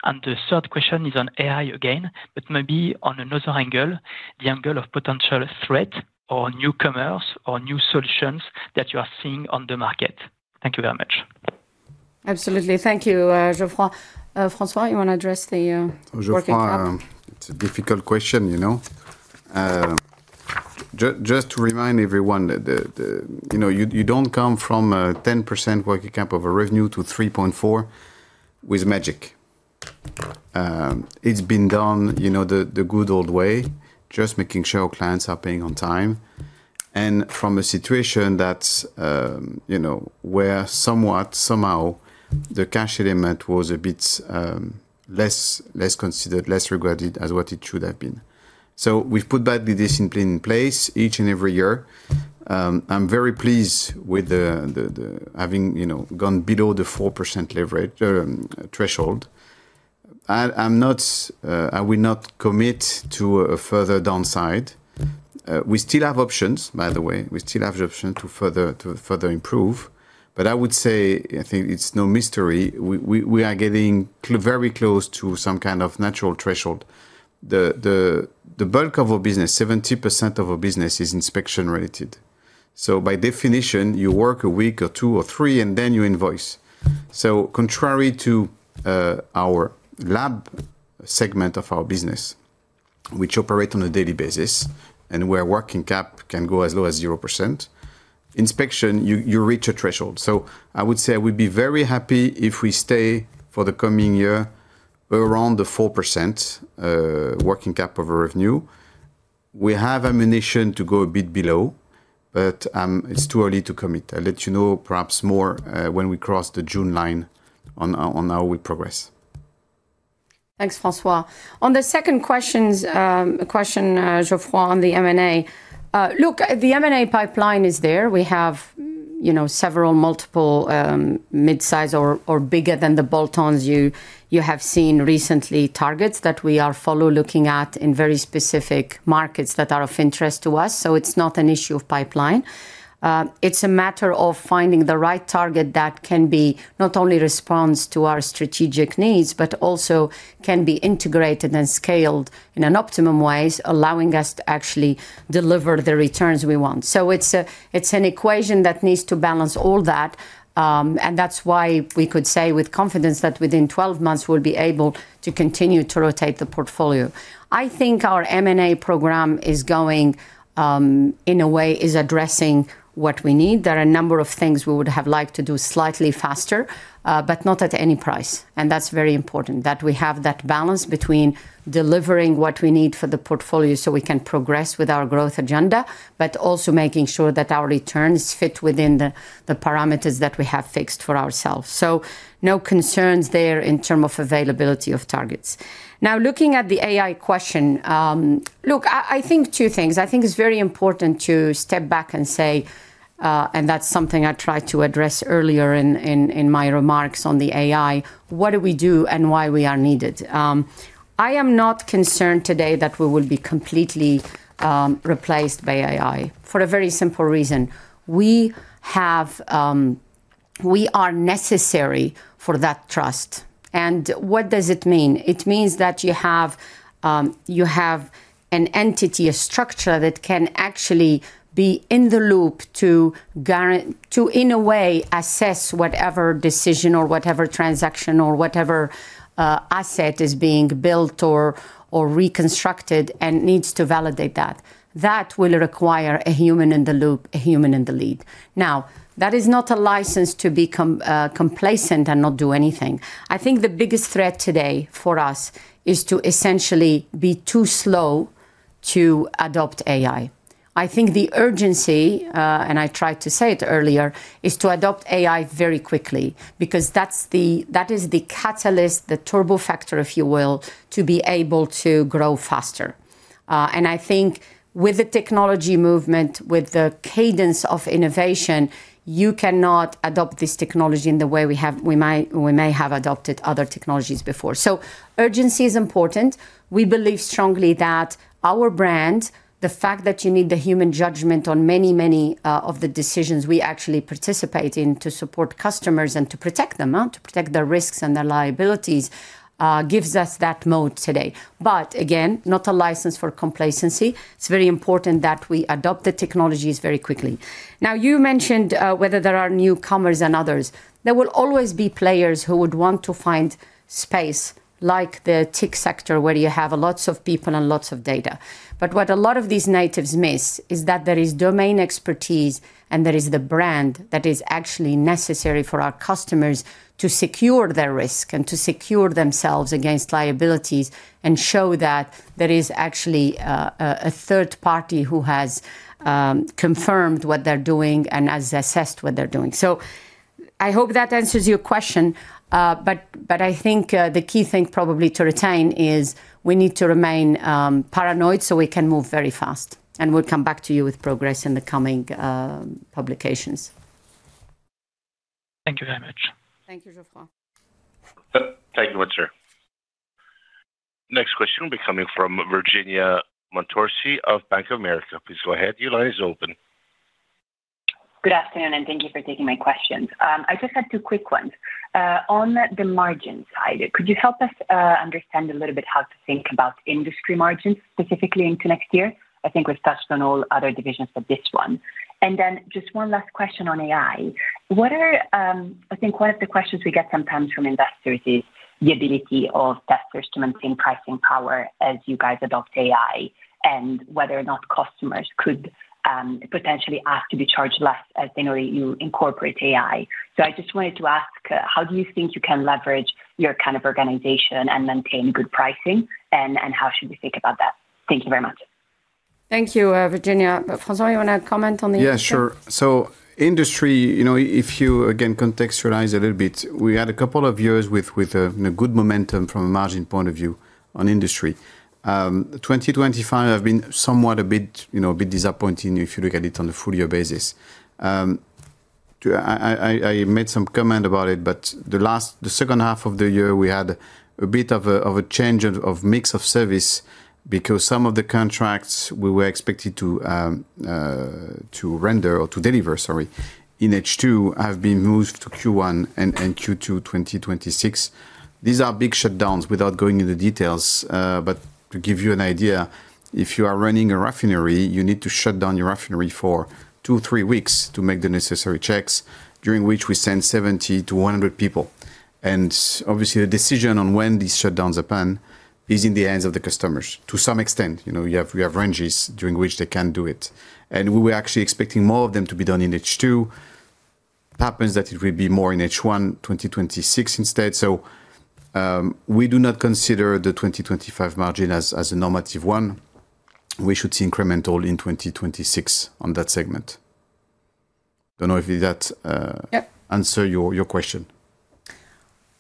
The third question is on AI again, but maybe on another angle, the angle of potential threat or newcomers or new solutions that you are seeing on the market. Thank you very much. Absolutely. Thank you, Geoffroy. François, you want to address the working cap? Geoffroy, it's a difficult question, you know. Just to remind everyone that, you know, you don't come from a 10% working cap of a revenue to 3.4 with magic. It's been done, you know, the good old way, just making sure our clients are paying on time. From a situation that, you know, where somewhat, somehow the cash payment was a bit less considered, less regretted as what it should have been. We've put back the discipline in place each and every year. I'm very pleased with the having, you know, gone below the 4% leverage threshold. I'm not, I will not commit to a further downside. We still have options, by the way. We still have the option to further improve. I would say, I think it's no mystery, we are getting very close to some kind of natural threshold. The bulk of our business, 70% of our business is inspection related. By definition, you work a week or two or three, and then you invoice. Contrary to our lab segment of our business, which operate on a daily basis and where working cap can go as low as 0%, inspection, you reach a threshold. I would say I would be very happy if we stay for the coming year around the 4% working cap of our revenue. We have ammunition to go a bit below, but it's too early to commit. I'll let you know perhaps more when we cross the June line on our, on how we progress. Thanks, François. On the second question, Geoffroy, on the M&A. Look, the M&A pipeline is there. We have, you know, several multiple, mid-size or bigger than the bolt-ons you have seen recently, targets that we are follow looking at in very specific markets that are of interest to us. It's not an issue of pipeline. It's a matter of finding the right target that can be, not only responds to our strategic needs, but also can be integrated and scaled in an optimum ways, allowing us to actually deliver the returns we want. It's an equation that needs to balance all that, and that's why we could say with confidence that within 12 months, we'll be able to continue to rotate the portfolio. I think our M&A program is going. in a way, is addressing what we need. There are a number of things we would have liked to do slightly faster, but not at any price. That's very important, that we have that balance between delivering what we need for the portfolio so we can progress with our growth agenda, but also making sure that our returns fit within the parameters that we have fixed for ourselves. No concerns there in terms of availability of targets. Looking at the AI question, look, I think two things: I think it's very important to step back. That's something I tried to address earlier in my remarks on the AI. What do we do, and why we are needed? I am not concerned today that we will be completely replaced by AI for a very simple reason. We are necessary for that trust. What does it mean? It means that you have an entity, a structure that can actually be in the loop to, in a way, assess whatever decision or whatever transaction or whatever asset is being built or reconstructed and needs to validate that. That will require a human in the loop, a human in the lead. That is not a license to become complacent and not do anything. I think the biggest threat today for us is to essentially be too slow to adopt AI. I think the urgency, and I tried to say it earlier, is to adopt AI very quickly, because that is the catalyst, the turbo factor, if you will, to be able to grow faster. I think with the technology movement, with the cadence of innovation, you cannot adopt this technology in the way we may have adopted other technologies before. Urgency is important. We believe strongly that our brand, the fact that you need the human judgment on many, many of the decisions we actually participate in to support customers and to protect them, to protect their risks and their liabilities, gives us that mode today. Again, not a license for complacency. It's very important that we adopt the technologies very quickly. Now, you mentioned whether there are newcomers and others. There will always be players who would want to find space, like the tech sector, where you have lots of people and lots of data. What a lot of these natives miss is that there is domain expertise, and there is the brand that is actually necessary for our customers to secure their risk and to secure themselves against liabilities, and show that there is actually a third-party who has confirmed what they're doing and has assessed what they're doing. I hope that answers your question, but I think the key thing probably to retain is we need to remain paranoid, so we can move very fast. We'll come back to you with progress in the coming publications. Thank you very much. Thank you, Geoffroy. Thank you, sir. Next question will be coming from Virginia Montorsi of Bank of America. Please go ahead. Your line is open. Good afternoon, thank you for taking my questions. I just had two quick ones. On the margin side, could you help us understand a little bit how to think about Industry margins, specifically into next year? I think we've touched on all other divisions but this one. Just one last question on AI: What are I think one of the questions we get sometimes from investors is the ability of testers to maintain pricing power as you guys adopt AI, and whether or not customers could potentially ask to be charged less as you know, you incorporate AI. I just wanted to ask how do you think you can leverage your kind of organization and maintain good pricing, and how should we think about that? Thank you very much. Thank you, Virginia. François, you want to comment on. Yeah, sure. Industry, you know, if you, again, contextualize a little bit, we had a couple of years with a good momentum from a margin point of view on Industry. 2025 has been somewhat a bit, you know, a bit disappointing if you look at it on a full year basis. I made some comment about it, the last, the second half of the year, we had a bit of a change of mix of service because some of the contracts we were expected to render or to deliver, sorry, in H2, have been moved to Q1 and Q2 2026. These are big shutdowns, without going into details, but to give you an idea, if you are running a refinery, you need to shut down your refinery for two, three weeks to make the necessary checks, during which we send 70 to 100 people. Obviously, the decision on when these shutdowns happen is in the hands of the customers to some extent. You know, we have ranges during which they can do it. We were actually expecting more of them to be done in H2. Happens that it will be more in H1 2026 instead. We do not consider the 2025 margin as a normative one. We should see incremental in 2026 on that segment. Don't know if that. Yep answer your question.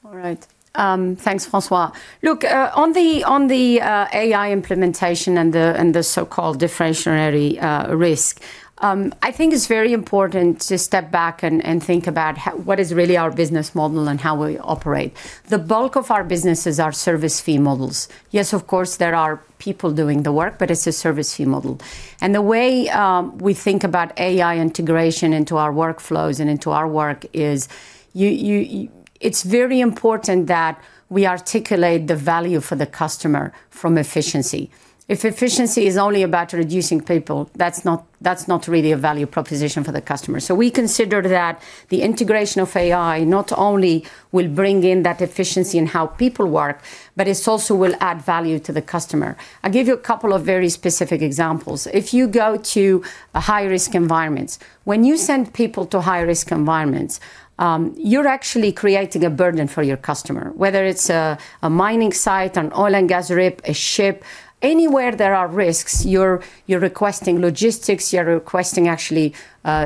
All right. Thanks, François. Look, on the AI implementation and the so-called differentiation risk, I think it's very important to step back and think about what is really our business model and how we operate. The bulk of our business is our service fee models. Yes, of course, there are people doing the work, but it's a service fee model. The way we think about AI integration into our workflows and into our work is it's very important that we articulate the value for the customer from efficiency. If efficiency is only about reducing people, that's not really a value proposition for the customer. We consider that the integration of AI not only will bring in that efficiency in how people work, but it also will add value to the customer. I'll give you a couple of very specific examples. If you go to a high-risk environments, when you send people to high-risk environments, you're actually creating a burden for your customer, whether it's a mining site, an oil and gas rig, a ship, anywhere there are risks, you're requesting logistics, you're requesting, actually,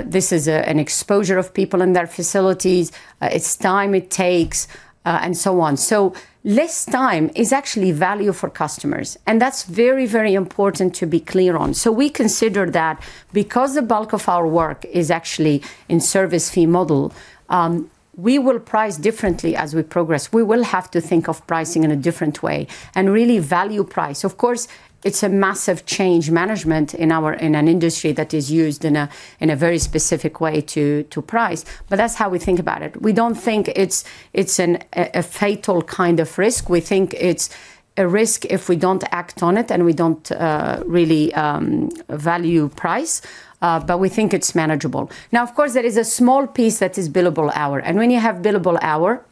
this is an exposure of people in their facilities, it's time it takes, and so on. Less time is actually value for customers, and that's very, very important to be clear on. We consider that because the bulk of our work is actually in service fee model, we will price differently as we progress. We will have to think of pricing in a different way and really value price. Of course, it's a massive change management in an industry that is used in a, in a very specific way to price, but that's how we think about it. We don't think it's an, a fatal kind of risk. We think it's a risk if we don't act on it, and we don't really value price, but we think it's manageable. Now, of course, there is a small piece that is billable hour.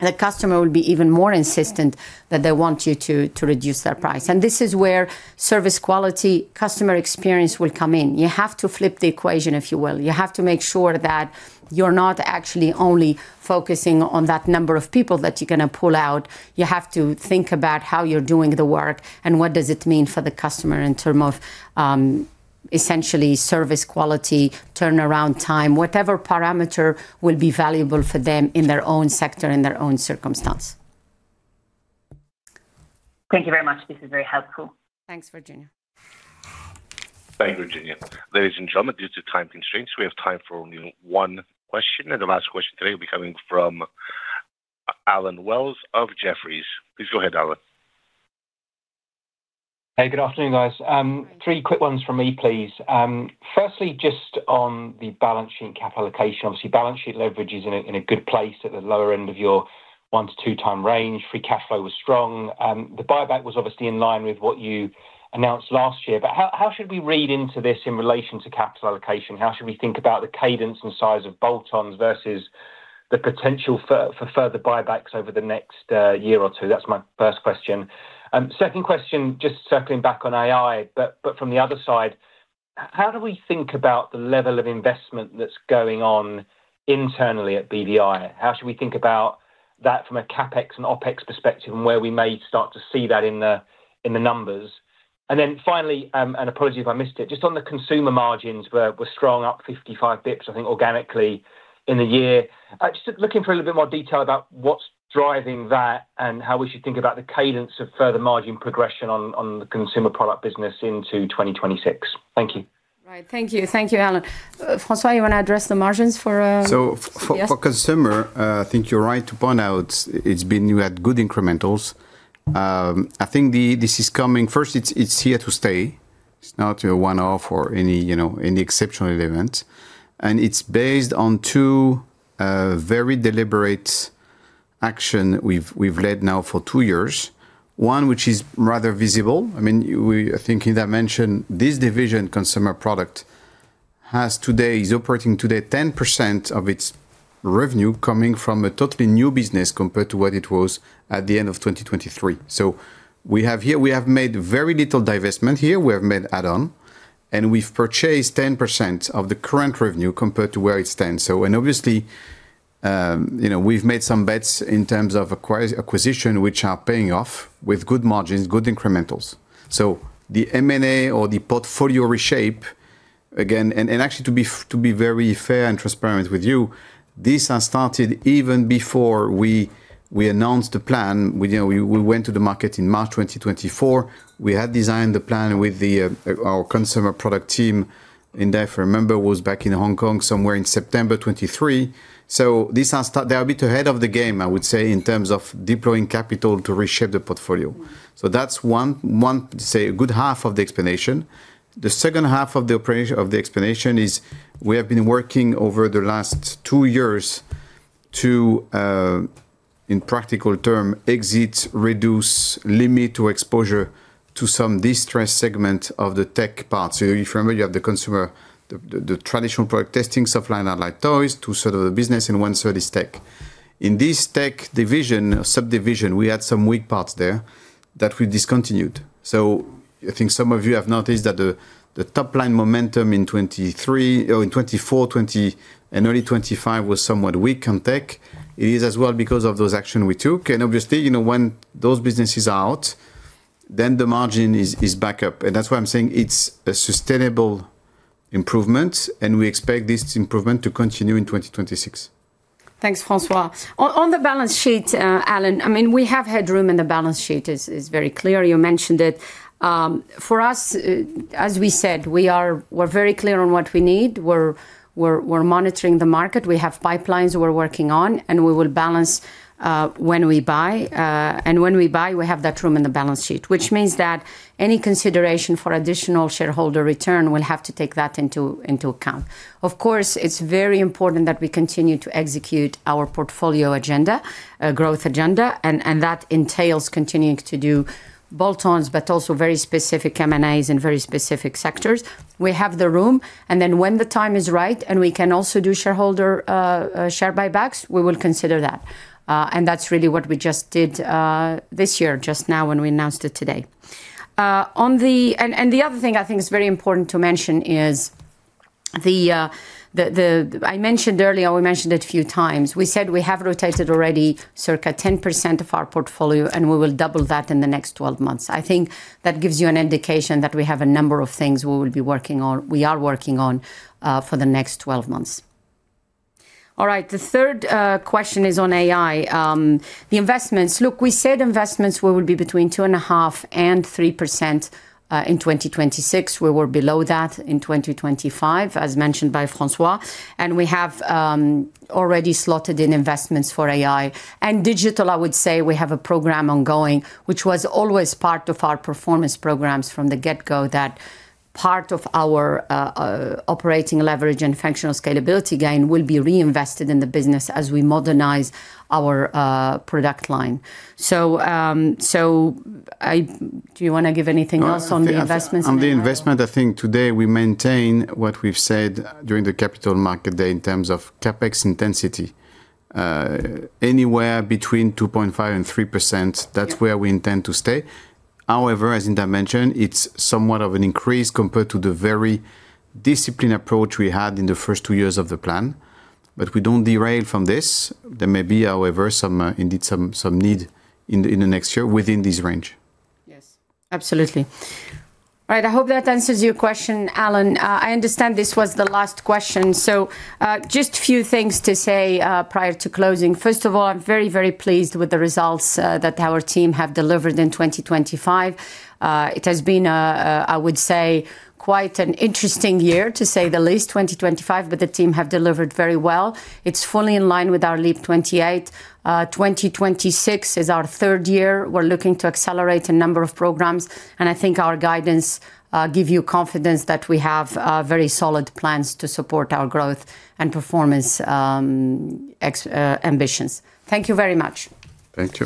The customer will be even more insistent that they want you to reduce their price. This is where service quality, customer experience will come in. You have to flip the equation, if you will. You have to make sure that you're not actually only focusing on that number of people that you're going to pull out. You have to think about how you're doing the work and what does it mean for the customer in term of, essentially service quality, turnaround time, whatever parameter will be valuable for them in their own sector, in their own circumstance. Thank you very much. This is very helpful. Thanks, Virginia. Thank you, Virginia. Ladies and gentlemen, due to time constraints, we have time for only one question. The last question today will be coming from Allen Wells of Jefferies. Please go ahead, Allen. Hey, good afternoon, guys. Three quick ones from me, please. Firstly, just on the balance sheet cap allocation. Obviously, balance sheet leverage is in a good place at the lower end of your one to two time range. Free cash flow was strong, the buyback was obviously in line with what you announced last year. How should we read into this in relation to capital allocation? How should we think about the cadence and size of bolt-ons versus the potential for further buybacks over the next year or two? That's my first question. Second question, just circling back on AI, but from the other side, how do we think about the level of investment that's going on internally at BVI? How should we think about that from a CapEx and OpEx perspective, and where we may start to see that in the numbers? Finally, and apologies if I missed it, just on the consumer margins were strong, up 55 basis points, I think, organically in the year. Just looking for a little bit more detail about what's driving that and how we should think about the cadence of further margin progression on the consumer product business into 2026. Thank you. Right. Thank you. Thank you, Allen. François, you want to address the margins for CPS? For consumer, I think you're right to point out we had good incrementals. I think this is coming. First, it's here to stay. It's not a one-off or any, you know, any exceptional event. It's based on two very deliberate action we've led now for two years. One, which is rather visible. I mean, this division, consumer product, is operating today 10% of its revenue coming from a totally new business compared to what it was at the end of 2023. We have made very little divestment here, we have made add-on, and we've purchased 10% of the current revenue compared to where it stands. And obviously, you know, we've made some bets in terms of acquisition, which are paying off with good margins, good incrementals. The M&A or the portfolio reshape, again, and actually to be very fair and transparent with you, these are started even before we announced the plan. We, you know, we went to the market in March 2024. We had designed the plan with our consumer product team, and if I remember, was back in Hong Kong somewhere in September 2023. They are a bit ahead of the game, I would say, in terms of deploying capital to reshape the portfolio. That's one, say, a good half of the explanation. The second half of the operation, of the explanation is we have been working over the last two years to, in practical term, exit, reduce, limit our exposure to some distressed segment of the tech parts. If you remember, you have the consumer, the traditional product testing, stuff like that, like toys, to sort of the business, and one side is tech. In this tech division, subdivision, we had some weak parts there that we discontinued. I think some of you have noticed that the top line momentum in 2023, or in 2024, 2020, and early 2025 was somewhat weak in tech. It is as well because of those action we took. Obviously, you know, when those business is out, the margin is back up. That's why I'm saying it's a sustainable improvement, and we expect this improvement to continue in 2026. Thanks, François. On the balance sheet, Allen, I mean, we have headroom, and the balance sheet is very clear. You mentioned it. For us, as we said, we're very clear on what we need. We're monitoring the market. We have pipelines we're working on, and we will balance when we buy. And when we buy, we have that room in the balance sheet, which means that any consideration for additional shareholder return will have to take that into account. Of course, it's very important that we continue to execute our portfolio agenda, growth agenda, and that entails continuing to do bolt-ons, but also very specific M&As in very specific sectors. We have the room, and then when the time is right, and we can also do shareholder share buybacks, we will consider that. That's really what we just did this year, just now, when we announced it today. The other thing I think is very important to mention is I mentioned earlier, we mentioned it a few times. We said we have rotated already circa 10% of our portfolio, and we will double that in the next 12 months. I think that gives you an indication that we have a number of things we are working on for the next 12 months. All right, the third question is on AI. The investments. Look, we said investments would be between 2.5% and 3% in 2026. We were below that in 2025, as mentioned by François, and we have already slotted in investments for AI. Digital, I would say, we have a program ongoing, which was always part of our performance programs from the get-go, that part of our operating leverage and functional scalability gain will be reinvested in the business as we modernize our product line. Do you want to give anything else on the investments? On the investment, I think today we maintain what we've said during the Capital Market Day in terms of CapEx intensity, anywhere between 2.5% and 3%. Yep. That's where we intend to stay. However, as Hinda mentioned, it's somewhat of an increase compared to the very disciplined approach we had in the first two years of the plan, but we don't derail from this. There may be, however, some, indeed some need in the next year within this range. Yes, absolutely. Right, I hope that answers your question, Allen. I understand this was the last question, just a few things to say prior to closing. First of all, I'm very pleased with the results that our team have delivered in 2025. It has been a I would say, quite an interesting year, to say the least, 2025, the team have delivered very well. It's fully in line with our LEAP | 28. 2026 is our third year. We're looking to accelerate a number of programs, I think our guidance give you confidence that we have very solid plans to support our growth and performance ambitions. Thank you very much. Thank you.